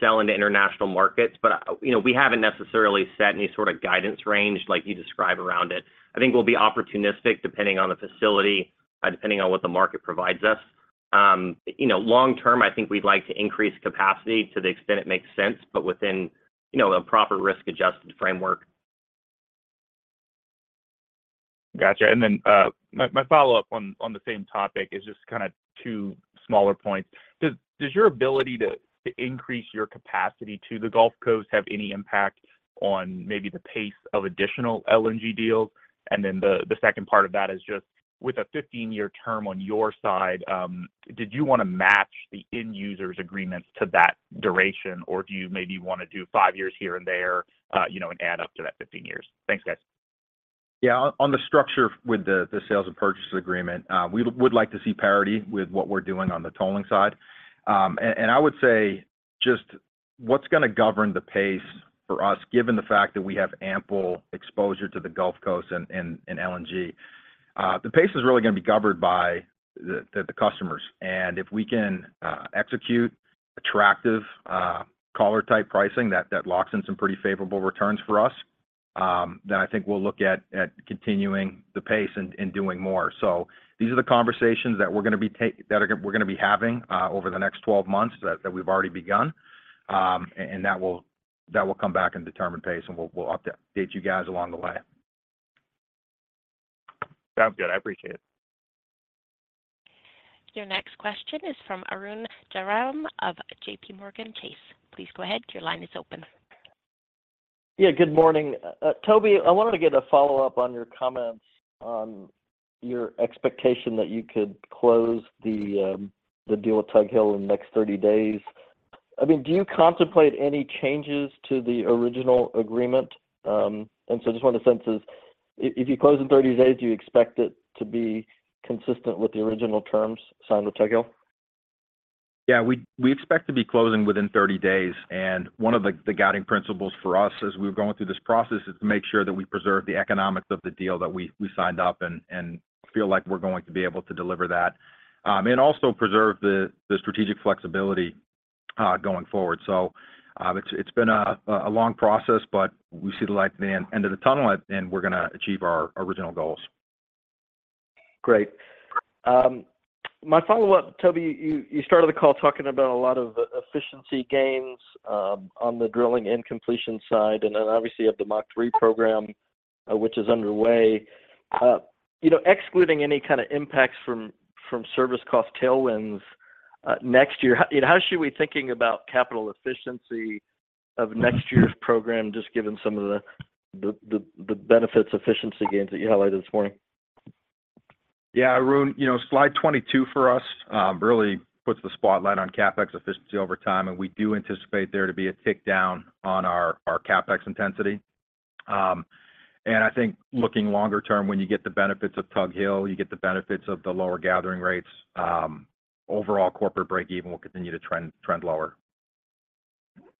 sell into international markets, but, you know, we haven't necessarily set any sort of guidance range like you describe around it. I think we'll be opportunistic, depending on the facility, depending on what the market provides us. You know, long term, I think we'd like to increase capacity to the extent it makes sense, but within, you know, a proper risk-adjusted framework. Gotcha. My follow-up on the same topic is just kind of 2 smaller points. Does your ability to increase your capacity to the Gulf Coast have any impact on maybe the pace of additional LNG deals? The second part of that is just, with a 15-year term on your side, did you want to match the end user's agreements to that duration, or do you maybe want to do five years here and there, you know, and add up to that 15 years? Thanks, guys. Yeah. On the structure with the sales and purchases agreement, we would like to see parity with what we're doing on the tolling side. And I would say, just what's gonna govern the pace for us, given the fact that we have ample exposure to the Gulf Coast and LNG? The pace is really gonna be governed by the customers. If we can execute attractive, collar-type pricing that locks in some pretty favorable returns for us, then I think we'll look at continuing the pace and doing more. These are the conversations that we're gonna be having over the next 12 months, that we've already begun. That will come back and determine pace, and we'll update you guys along the way. Sounds good. I appreciate it. Your next question is from Arun Jayaram of JPMorgan Chase. Please go ahead. Your line is open. Yeah, good morning. Toby, I wanted to get a follow-up on your comments on your expectation that you could close the deal with Tug Hill in the next 30 days. I mean, do you contemplate any changes to the original agreement? Just want a sense is, if you close in 30 days, do you expect it to be consistent with the original terms signed with Tug Hill? We expect to be closing within 30 days, one of the guiding principles for us as we're going through this process, is to make sure that we preserve the economics of the deal that we signed up and feel like we're going to be able to deliver that. Also preserve the strategic flexibility going forward. It's been a long process, but we see the light at the end of the tunnel, and we're gonna achieve our original goals. Great. My follow-up, Toby, you started the call talking about a lot of efficiency gains on the drilling and completion side, and then obviously you have the Mach 3 program, which is underway. You know, excluding any kind of impacts from service cost tailwinds, next year, how should we be thinking about capital efficiency of next year's program, just given some of the benefits efficiency gains that you highlighted this morning? Yeah, Arun, you know, slide 22 for us, really puts the spotlight on CapEx efficiency over time, and we do anticipate there to be a tick down on our CapEx intensity. I think looking longer term, when you get the benefits of Tug Hill, you get the benefits of the lower gathering rates, overall corporate break even will continue to trend lower.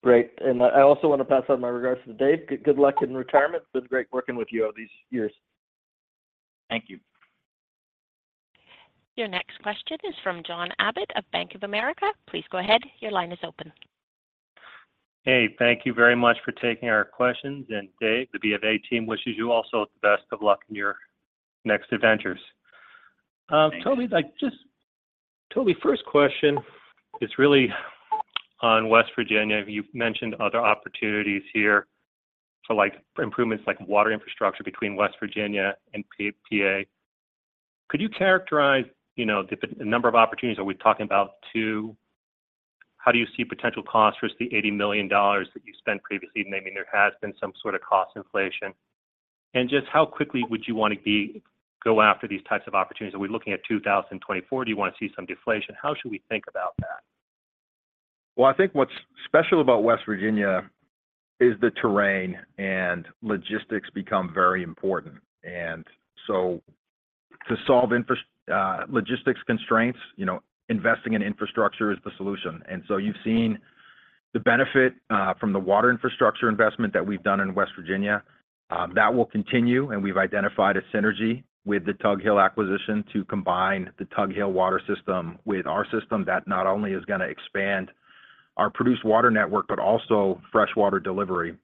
Great. I also want to pass on my regards to Dave. Good luck in retirement. It's been great working with you all these years. Thank you. Your next question is from John Abbott of Bank of America. Please go ahead. Your line is open. Hey, thank you very much for taking our questions. Dave, the BofA team wishes you also the best of luck in your next adventures. Thank you. Toby, first question is really on West Virginia. You've mentioned other opportunities here for, like, improvements like water infrastructure between West Virginia and PA. Could you characterize, you know, the number of opportunities? Are we talking about two? How do you see potential costs versus the $80 million that you spent previously? I mean, there has been some sort of cost inflation. Just how quickly would you want to go after these types of opportunities? Are we looking at 2024? Do you want to see some deflation? How should we think about that? I think what's special about West Virginia is the terrain, and logistics become very important. To solve logistics constraints, you know, investing in infrastructure is the solution. You've seen the benefit from the water infrastructure investment that we've done in West Virginia. That will continue, and we've identified a synergy with the Tug Hill acquisition to combine the Tug Hill water system with our system. That not only is gonna expand our produced water network, but also freshwater delivery.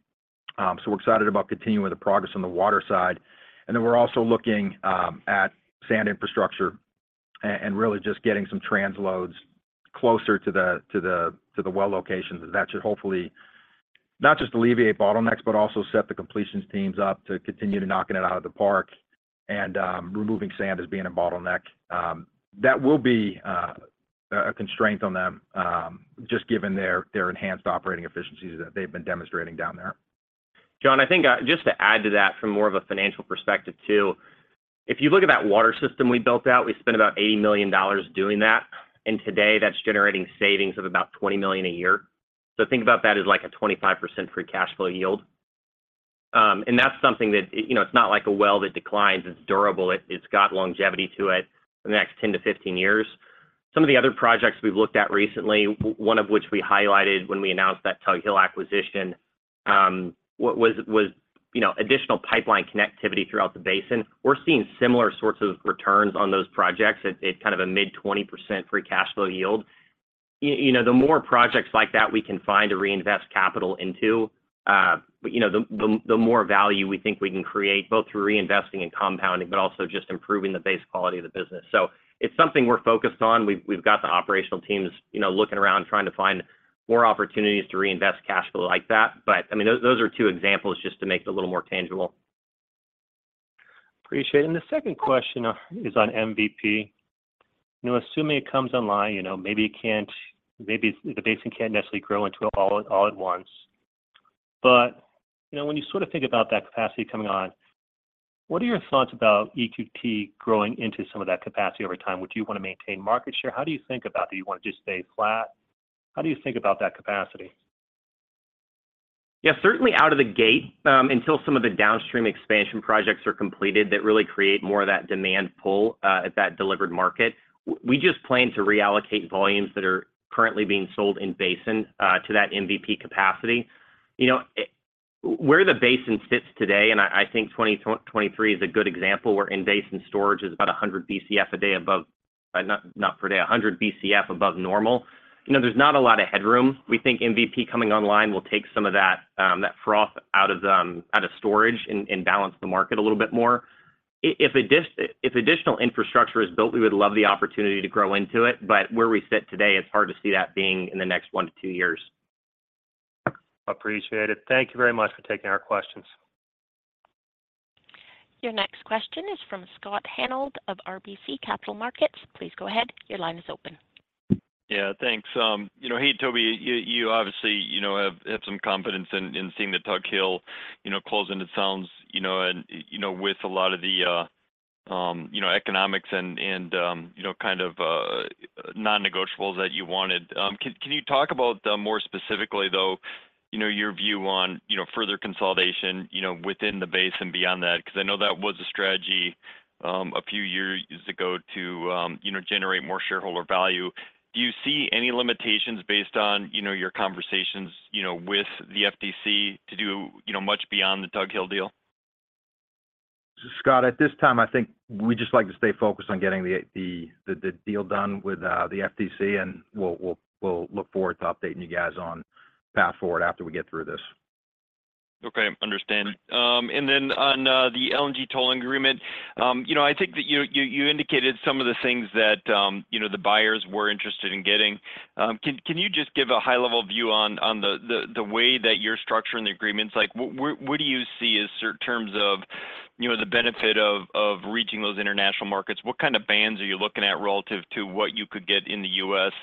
We're excited about continuing the progress on the water side. We're also looking at sand infrastructure and really just getting some transloads closer to the well locations. That should hopefully not just alleviate bottlenecks, but also set the completions teams up to continue to knocking it out of the park and removing sand as being a bottleneck. That will be a constraint on them, just given their enhanced operating efficiencies that they've been demonstrating down there. John, I think, just to add to that from more of a financial perspective too, if you look at that water system we built out, we spent about $80 million doing that, and today, that's generating savings of about $20 million a year. Think about that as like a 25% free cash flow yield. That's something that, You know, it's not like a well that declines. It's durable. It's got longevity to it for the next 10-15 years. Some of the other projects we've looked at recently, one of which we highlighted when we announced that Tug Hill acquisition, what was, you know, additional pipeline connectivity throughout the basin. We're seeing similar sorts of returns on those projects. It's kind of a mid 20% free cash flow yield. You know, the more projects like that we can find to reinvest capital into, you know, the more value we think we can create, both through reinvesting and compounding, also just improving the base quality of the business. It's something we're focused on. We've got the operational teams, you know, looking around, trying to find more opportunities to reinvest cash flow like that. I mean, those are two examples just to make it a little more tangible. Appreciate it. The second question is on MVP. You know, assuming it comes online, you know, maybe the basin can't necessarily grow into it all at once. You know, when you sort of think about that capacity coming on, what are your thoughts about EQT growing into some of that capacity over time? Would you want to maintain market share? How do you think about it? Do you want to just stay flat? How do you think about that capacity? Certainly out of the gate, until some of the downstream expansion projects are completed, that really create more of that demand pull, at that delivered market, we just plan to reallocate volumes that are currently being sold in basin, to that MVP capacity. You know, where the basin sits today, and I think 2023 is a good example, where in-basin storage is about 100 Bcf a day above, not per day, 100 Bcf above normal. You know, there's not a lot of headroom. We think MVP coming online will take some of that froth out of storage and balance the market a little bit more. If additional infrastructure is built, we would love the opportunity to grow into it, but where we sit today, it's hard to see that being in the next one to two years. Appreciate it. Thank you very much for taking our questions. Your next question is from Scott Hanold of RBC Capital Markets. Please go ahead. Your line is open. Yeah, thanks. You know, hey, Toby, you obviously, you know, have some confidence in seeing the Tug Hill, you know, closing it sounds, you know, and, you know, with a lot of the, you know, economics and, you know, kind of, non-negotiables that you wanted. Can you talk about, more specifically, though, you know, your view on, you know, further consolidation, you know, within the basin and beyond that? I know that was a strategy, a few years ago to, you know, generate more shareholder value. Do you see any limitations based on, you know, your conversations, you know, with the FTC to do, you know, much beyond the Tug Hill deal? Scott, at this time, I think we'd just like to stay focused on getting the deal done with the FTC, and we'll look forward to updating you guys on path forward after we get through this. Okay, understand. Then on the LNG tolling agreement, you know, I think that you indicated some of the things that, you know, the buyers were interested in getting. Can you just give a high-level view on the way that you're structuring the agreements? Like, what, where, what do you see as certain terms of, you know, the benefit of reaching those international markets? What kind of bands are you looking at relative to what you could get in the U.S.?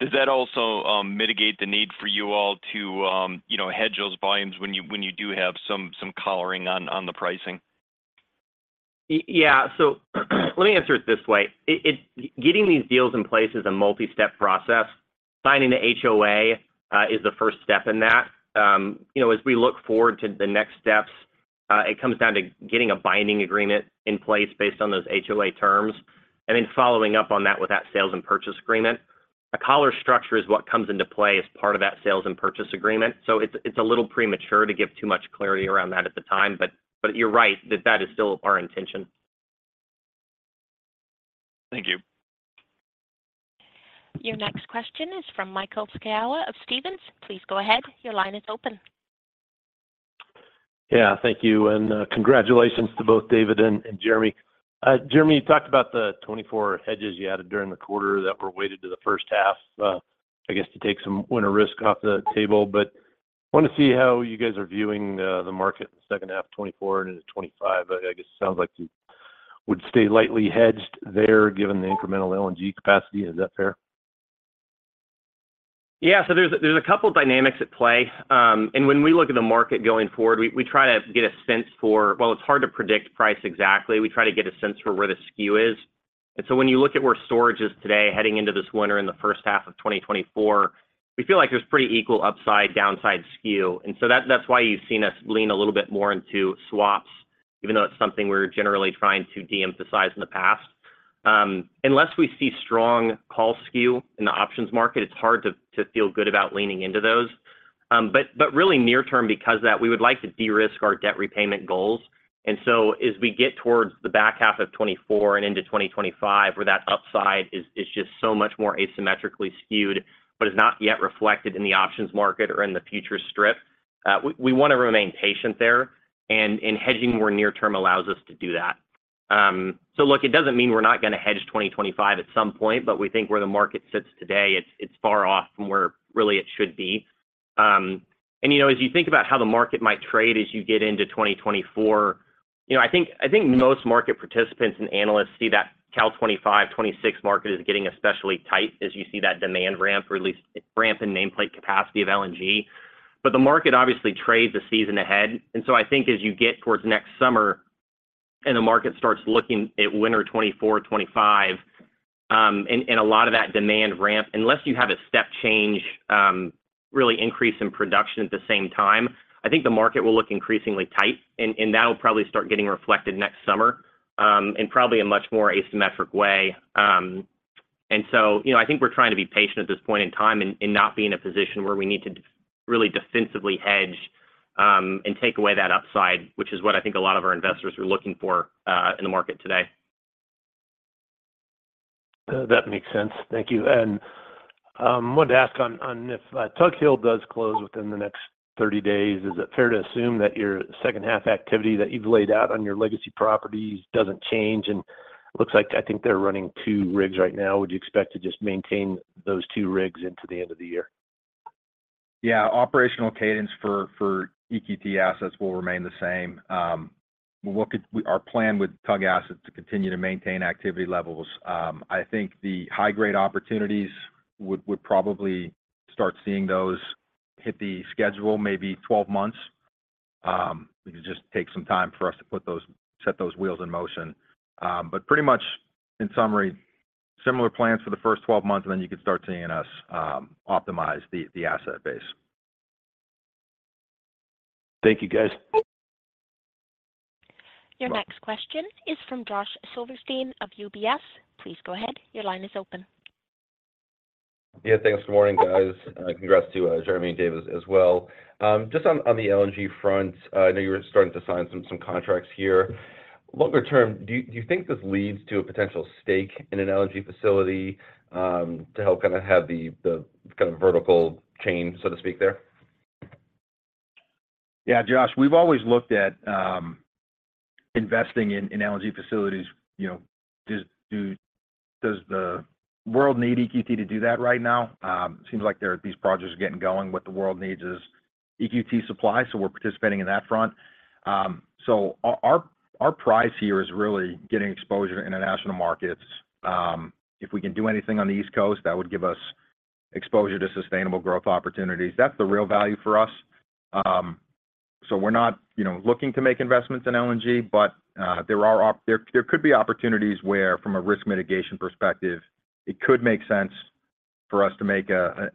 Does that also mitigate the need for you all to, you know, hedge those volumes when you, when you do have some collaring on the pricing? Yeah. Let me answer it this way. It getting these deals in place is a multi-step process. Signing the HOA is the first step in that. You know, as we look forward to the next steps, it comes down to getting a binding agreement in place based on those HOA terms, and then following up on that with that sales and purchase agreement. A collar structure is what comes into play as part of that sales and purchase agreement, so it's a little premature to give too much clarity around that at the time, but you're right, that is still our intention. Thank you. Your next question is from Michael Scialla of Stephens. Please go ahead. Your line is open. Yeah. Thank you, and congratulations to both David and Jeremy. Jeremy, you talked about the 24 hedges you added during the quarter that were weighted to the first half, I guess to take some winter risk off the table. I want to see how you guys are viewing the market in the second half of 2024 and into 2025. I guess it sounds like you would stay lightly hedged there, given the incremental LNG capacity. Is that fair? Yeah, there's a couple dynamics at play. When we look at the market going forward, we try to get a sense for. Well, it's hard to predict price exactly. We try to get a sense for where the skew is. When you look at where storage is today, heading into this winter in the first half of 2024, we feel like there's pretty equal upside, downside skew. That's why you've seen us lean a little bit more into swaps, even though it's something we're generally trying to de-emphasize in the past. Unless we see strong call skew in the options market, it's hard to feel good about leaning into those. But really near term, because that we would like to de-risk our debt repayment goals. As we get towards the back half of 2024 and into 2025, where that upside is just so much more asymmetrically skewed, but is not yet reflected in the options market or in the future strip, we wanna remain patient there, and hedging more near term allows us to do that. Look, it doesn't mean we're not gonna hedge 2025 at some point, but we think where the market sits today, it's far off from where really it should be. You know, as you think about how the market might trade as you get into 2024, you know, I think most market participants and analysts see that cal 2025, 2026 market is getting especially tight as you see that demand ramp, or at least ramp in nameplate capacity of LNG. The market obviously trades a season ahead. I think as you get towards next summer and the market starts looking at winter 2024, 2025, and a lot of that demand ramp, unless you have a step change, really increase in production at the same time, I think the market will look increasingly tight, and that'll probably start getting reflected next summer in probably a much more asymmetric way. You know, I think we're trying to be patient at this point in time and not be in a position where we need to really defensively hedge and take away that upside, which is what I think a lot of our investors are looking for in the market today. That makes sense. Thank you. I wanted to ask on if Tug Hill does close within the next 30 days, is it fair to assume that your second half activity that you've laid out on your legacy properties doesn't change? Looks like, I think they're running two rigs right now. Would you expect to just maintain those two rigs into the end of the year? Yeah. Operational cadence for EQT assets will remain the same. Our plan with Tug assets to continue to maintain activity levels. I think the high-grade opportunities would probably start seeing those hit the schedule maybe 12 months. It would just take some time for us to set those wheels in motion. Pretty much in summary, similar plans for the first 12 months, and then you can start seeing us optimize the asset base. Thank you, guys. Your next question is from Josh Silverstein of UBS. Please go ahead. Your line is open. Thanks. Good morning, guys. Congrats to Jeremy and David as well. Just on the LNG front, I know you were starting to sign some contracts here. Longer term, do you think this leads to a potential stake in an LNG facility, to help kind of have the vertical chain, so to speak, there? Yeah, Josh, we've always looked at investing in LNG facilities, you know. Does the world need EQT to do that right now? It seems like these projects are getting going. What the world needs is EQT supply. We're participating in that front. Our prize here is really getting exposure to international markets. If we can do anything on the East Coast, that would give us exposure to sustainable growth opportunities. That's the real value for us. We're not, you know, looking to make investments in LNG, but there could be opportunities where, from a risk mitigation perspective, it could make sense for us to make a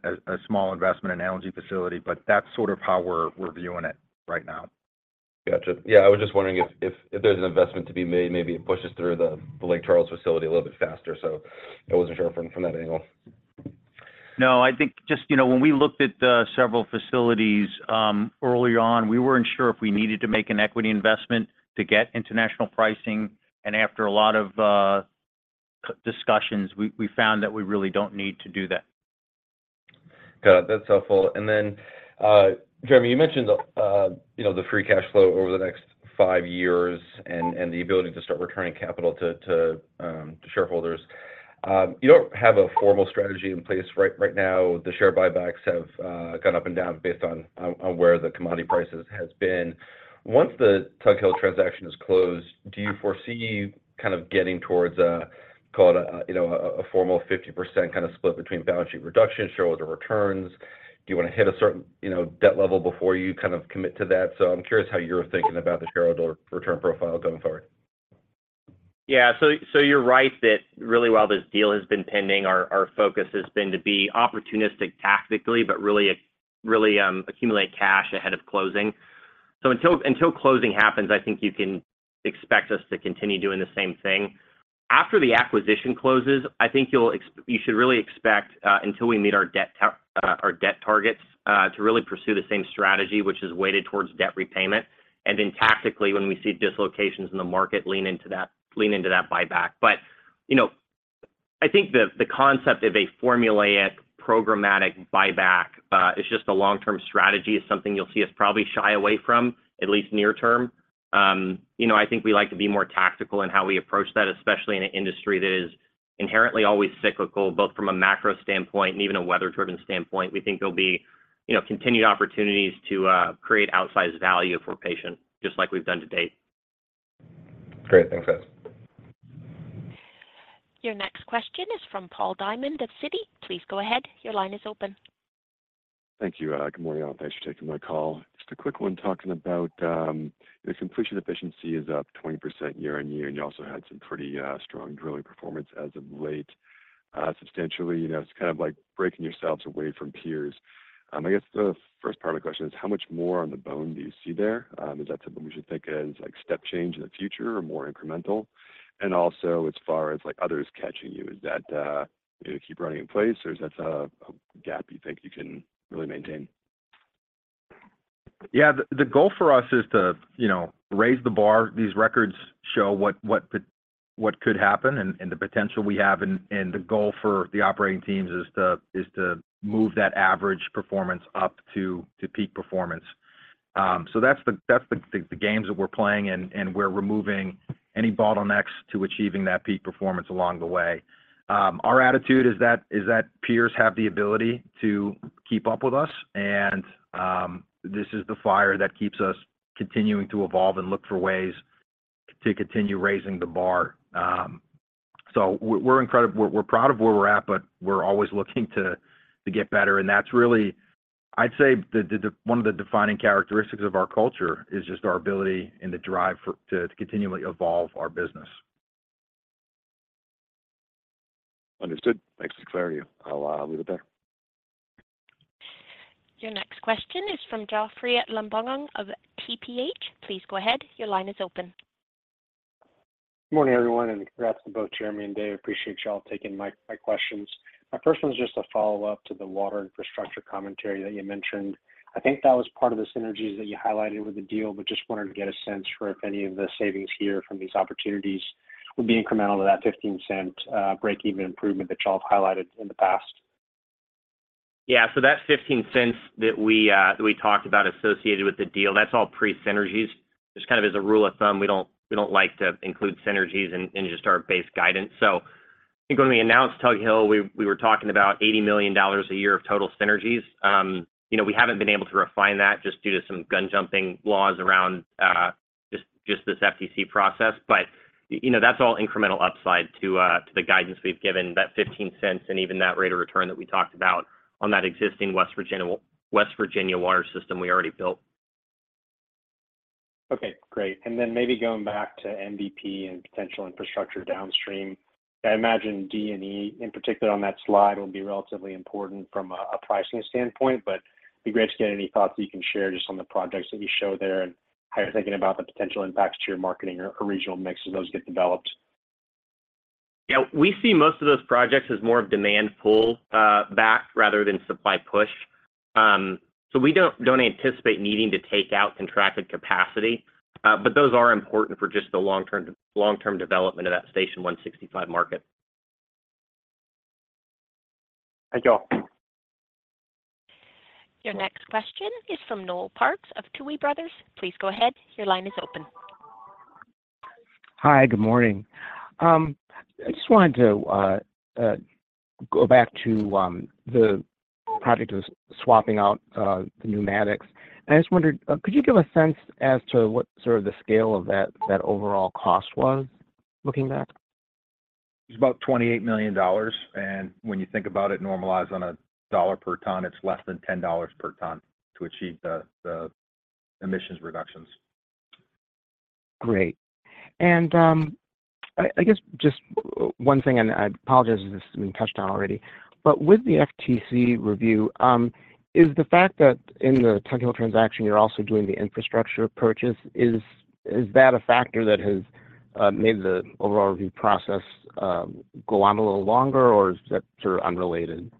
small investment in an LNG facility, but that's sort of how we're viewing it right now. Gotcha. Yeah, I was just wondering if there's an investment to be made, maybe it pushes through the Lake Charles facility a little bit faster. I wasn't sure from that angle. No, I think just, you know, when we looked at the several facilities, early on, we weren't sure if we needed to make an equity investment to get international pricing, and after a lot of discussions, we found that we really don't need to do that. Got it. That's helpful. Jeremy, you mentioned the, you know, the free cash flow over the next five years and the ability to start returning capital to shareholders. You don't have a formal strategy in place right now. The share buybacks have gone up and down based on where the commodity prices has been. Once the Tug Hill transaction is closed, do you foresee kind of getting towards a, call it a, you know, a formal 50% kind of split between balance sheet reduction, shareholder returns? Do you want to hit a certain, you know, debt level before you kind of commit to that? I'm curious how you're thinking about the shareholder return profile going forward. You're right that really, while this deal has been pending, our focus has been to be opportunistic tactically, but really accumulate cash ahead of closing. Until closing happens, I think you can expect us to continue doing the same thing. After the acquisition closes, I think you should really expect until we meet our debt targets to really pursue the same strategy, which is weighted towards debt repayment. Then tactically, when we see dislocations in the market, lean into that buyback. You know, I think the concept of a formulaic, programmatic buyback is just a long-term strategy, is something you'll see us probably shy away from, at least near term. You know, I think we like to be more tactical in how we approach that, especially in an industry that is inherently always cyclical, both from a macro standpoint and even a weather-driven standpoint. We think there'll be, you know, continued opportunities to create outsized value for patients, just like we've done to date. Great. Thanks, guys. Your next question is from Paul Diamond at Citi. Please go ahead. Your line is open. Thank you. Good morning, all. Thanks for taking my call. Just a quick one, talking about, the completion efficiency is up 20% year-on-year, and you also had some pretty, strong drilling performance as of late, substantially. You know, it's kind of like breaking yourselves away from peers. I guess the first part of the question is, how much more on the bone do you see there? Is that something we should think as, like, step change in the future or more incremental? As far as, like, others catching you, is that, you keep running in place, or is that a gap you think you can really maintain? Yeah. The goal for us is to, you know, raise the bar. These records show what could happen and the potential we have, and the goal for the operating teams is to move that average performance up to peak performance. That's the games that we're playing, and we're removing any bottlenecks to achieving that peak performance along the way. Our attitude is that peers have the ability to keep up with us. This is the fire that keeps us continuing to evolve and look for ways to continue raising the bar. We're incredible. We're proud of where we're at, but we're always looking to get better. That's really... I'd say the one of the defining characteristics of our culture is just our ability and the drive to continually evolve our business. Understood. Thanks for the clarity. I'll leave it there. Your next question is from Jeoffrey Lambujon of TPH. Please go ahead. Your line is open. Good morning, everyone, and congrats to both Jeremy and Dave. I appreciate you all taking my questions. My first one is just a follow-up to the water infrastructure commentary that you mentioned. I think that was part of the synergies that you highlighted with the deal. Just wanted to get a sense for if any of the savings here from these opportunities would be incremental to that $0.15 break-even improvement that you all have highlighted in the past. That $0.15 that we talked about associated with the deal, that's all pre-synergies. Just kind of as a rule of thumb, we don't like to include synergies in just our base guidance. I think when we announced Tug Hill, we were talking about $80 million a year of total synergies. You know, we haven't been able to refine that just due to some gun-jumping laws around just this FTC process. You know, that's all incremental upside to the guidance we've given, that $0.15 and even that rate of return that we talked about on that existing West Virginia water system we already built. Okay, great. Then maybe going back to MVP and potential infrastructure downstream, I imagine D and E, in particular on that slide, will be relatively important from a pricing standpoint, but it'd be great to get any thoughts you can share just on the projects that you show there, and how you're thinking about the potential impacts to your marketing or regional mix as those get developed. Yeah. We see most of those projects as more of demand pull, back, rather than supply push. We don't anticipate needing to take out contracted capacity, but those are important for just the long-term development of that Station 165 market. Thank you all. Your next question is from Noel Parks of Tuohy Brothers. Please go ahead. Your line is open. Hi, good morning. I just wanted to go back to the project of swapping out the pneumatics. I just wondered, could you give a sense as to what sort of the scale of that overall cost was looking back? It's about $28 million, and when you think about it, normalized on a dollar per ton, it's less than $10 per ton to achieve the emissions reductions. Great. I guess just one thing, and I apologize if this has been touched on already, but with the FTC review, is the fact that in the technical transaction, you're also doing the infrastructure purchase, is that a factor that has made the overall review process go on a little longer, or is that sort of unrelated?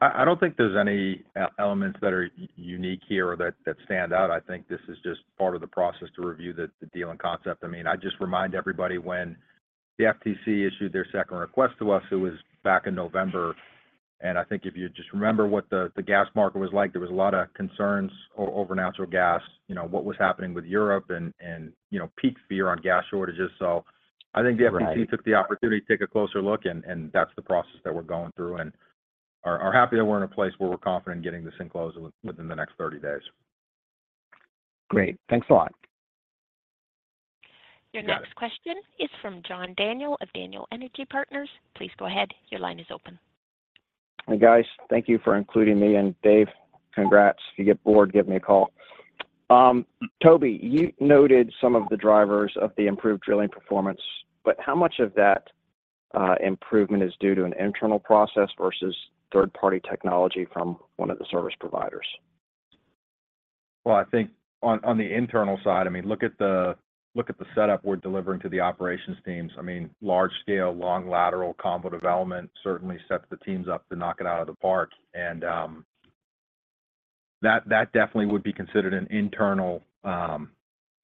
I don't think there's any elements that are unique here or that stand out. I think this is just part of the process to review the deal and concept. I mean, I just remind everybody when the FTC issued their second request to us, it was back in November, and I think if you just remember what the gas market was like, there was a lot of concerns over natural gas, you know, what was happening with Europe and, you know, peak fear on gas shortages. I think the FTC took the opportunity to take a closer look, and that's the process that we're going through, and are happy that we're in a place where we're confident in getting this thing closed within the next 30 days. Great. Thanks a lot. Your next question is from John Daniel of Daniel Energy Partners. Please go ahead. Your line is open. Hi, guys. Thank you for including me, and Dave, congrats. If you get bored, give me a call. Toby, you noted some of the drivers of the improved drilling performance, but how much of that improvement is due to an internal process versus third-party technology from one of the service providers? Well, I think on the internal side, I mean, look at the setup we're delivering to the operations teams. I mean, large scale, long lateral combo development certainly sets the teams up to knock it out of the park, and that definitely would be considered an internal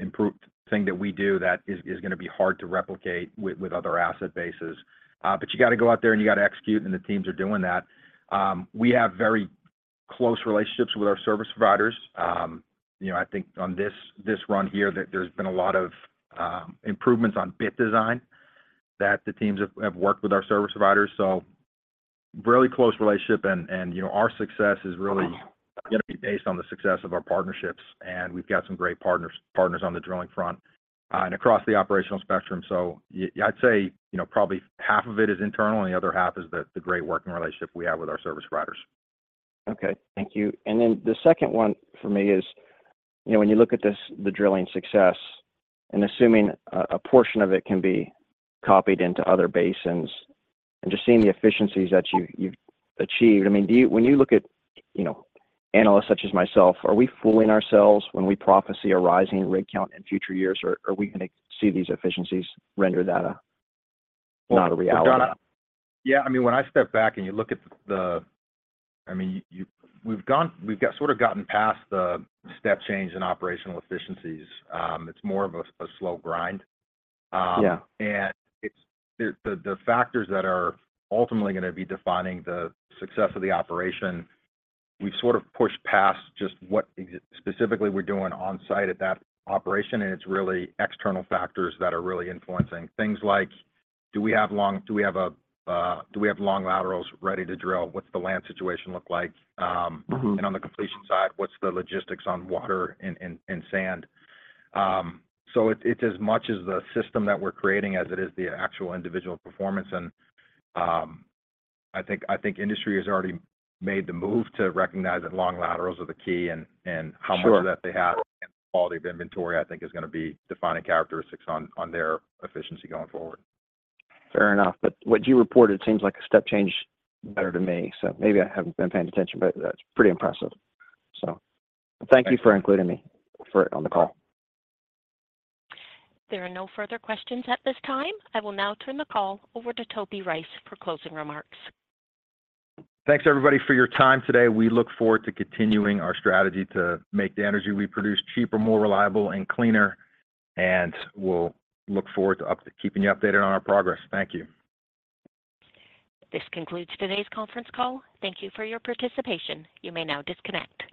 improved thing that we do that is gonna be hard to replicate with other asset bases. You gotta go out there, and you gotta execute, and the teams are doing that. We have very close relationships with our service providers. You know, I think on this run here, that there's been a lot of improvements on bit design, that the teams have worked with our service providers. Really close relationship, and, you know, our success is really... Got it.... gonna be based on the success of our partnerships, and we've got some great partners on the drilling front, and across the operational spectrum. I'd say, you know, probably half of it is internal, and the other half is the great working relationship we have with our service providers. Okay. Thank you. The second one for me is, you know, when you look at this, the drilling success, and assuming a portion of it can be copied into other basins, and just seeing the efficiencies that you've achieved, I mean, when you look at, you know, analysts such as myself, are we fooling ourselves when we prophesy a rising rig count in future years, or are we gonna see these efficiencies render that a not a reality? Well, John, yeah, I mean, when I step back, and you look at the, I mean, you, we've got sort of gotten past the step change in operational efficiencies. It's more of a slow grind. Yeah. It's the factors that are ultimately gonna be defining the success of the operation. We've sort of pushed past just what specifically we're doing on site at that operation. It's really external factors that are really influencing. Things like, do we have long laterals ready to drill? What's the land situation look like on the completion side, what's the logistics on water and sand? It's as much as the system that we're creating as it is the actual individual performance. I think industry has already made the move to recognize that long laterals are the key. Sure.... how much of that they have, and the quality of inventory, I think, is gonna be defining characteristics on their efficiency going forward. Fair enough. What you reported seems like a step change better to me, so maybe I haven't been paying attention, but that's pretty impressive. Thanks. Thank you for including me for on the call. There are no further questions at this time. I will now turn the call over to Toby Rice for closing remarks. Thanks, everybody, for your time today. We look forward to continuing our strategy to make the energy we produce cheaper, more reliable, and cleaner, and we'll look forward to keeping you updated on our progress. Thank you. This concludes today's conference call. Thank you for your participation. You may now disconnect.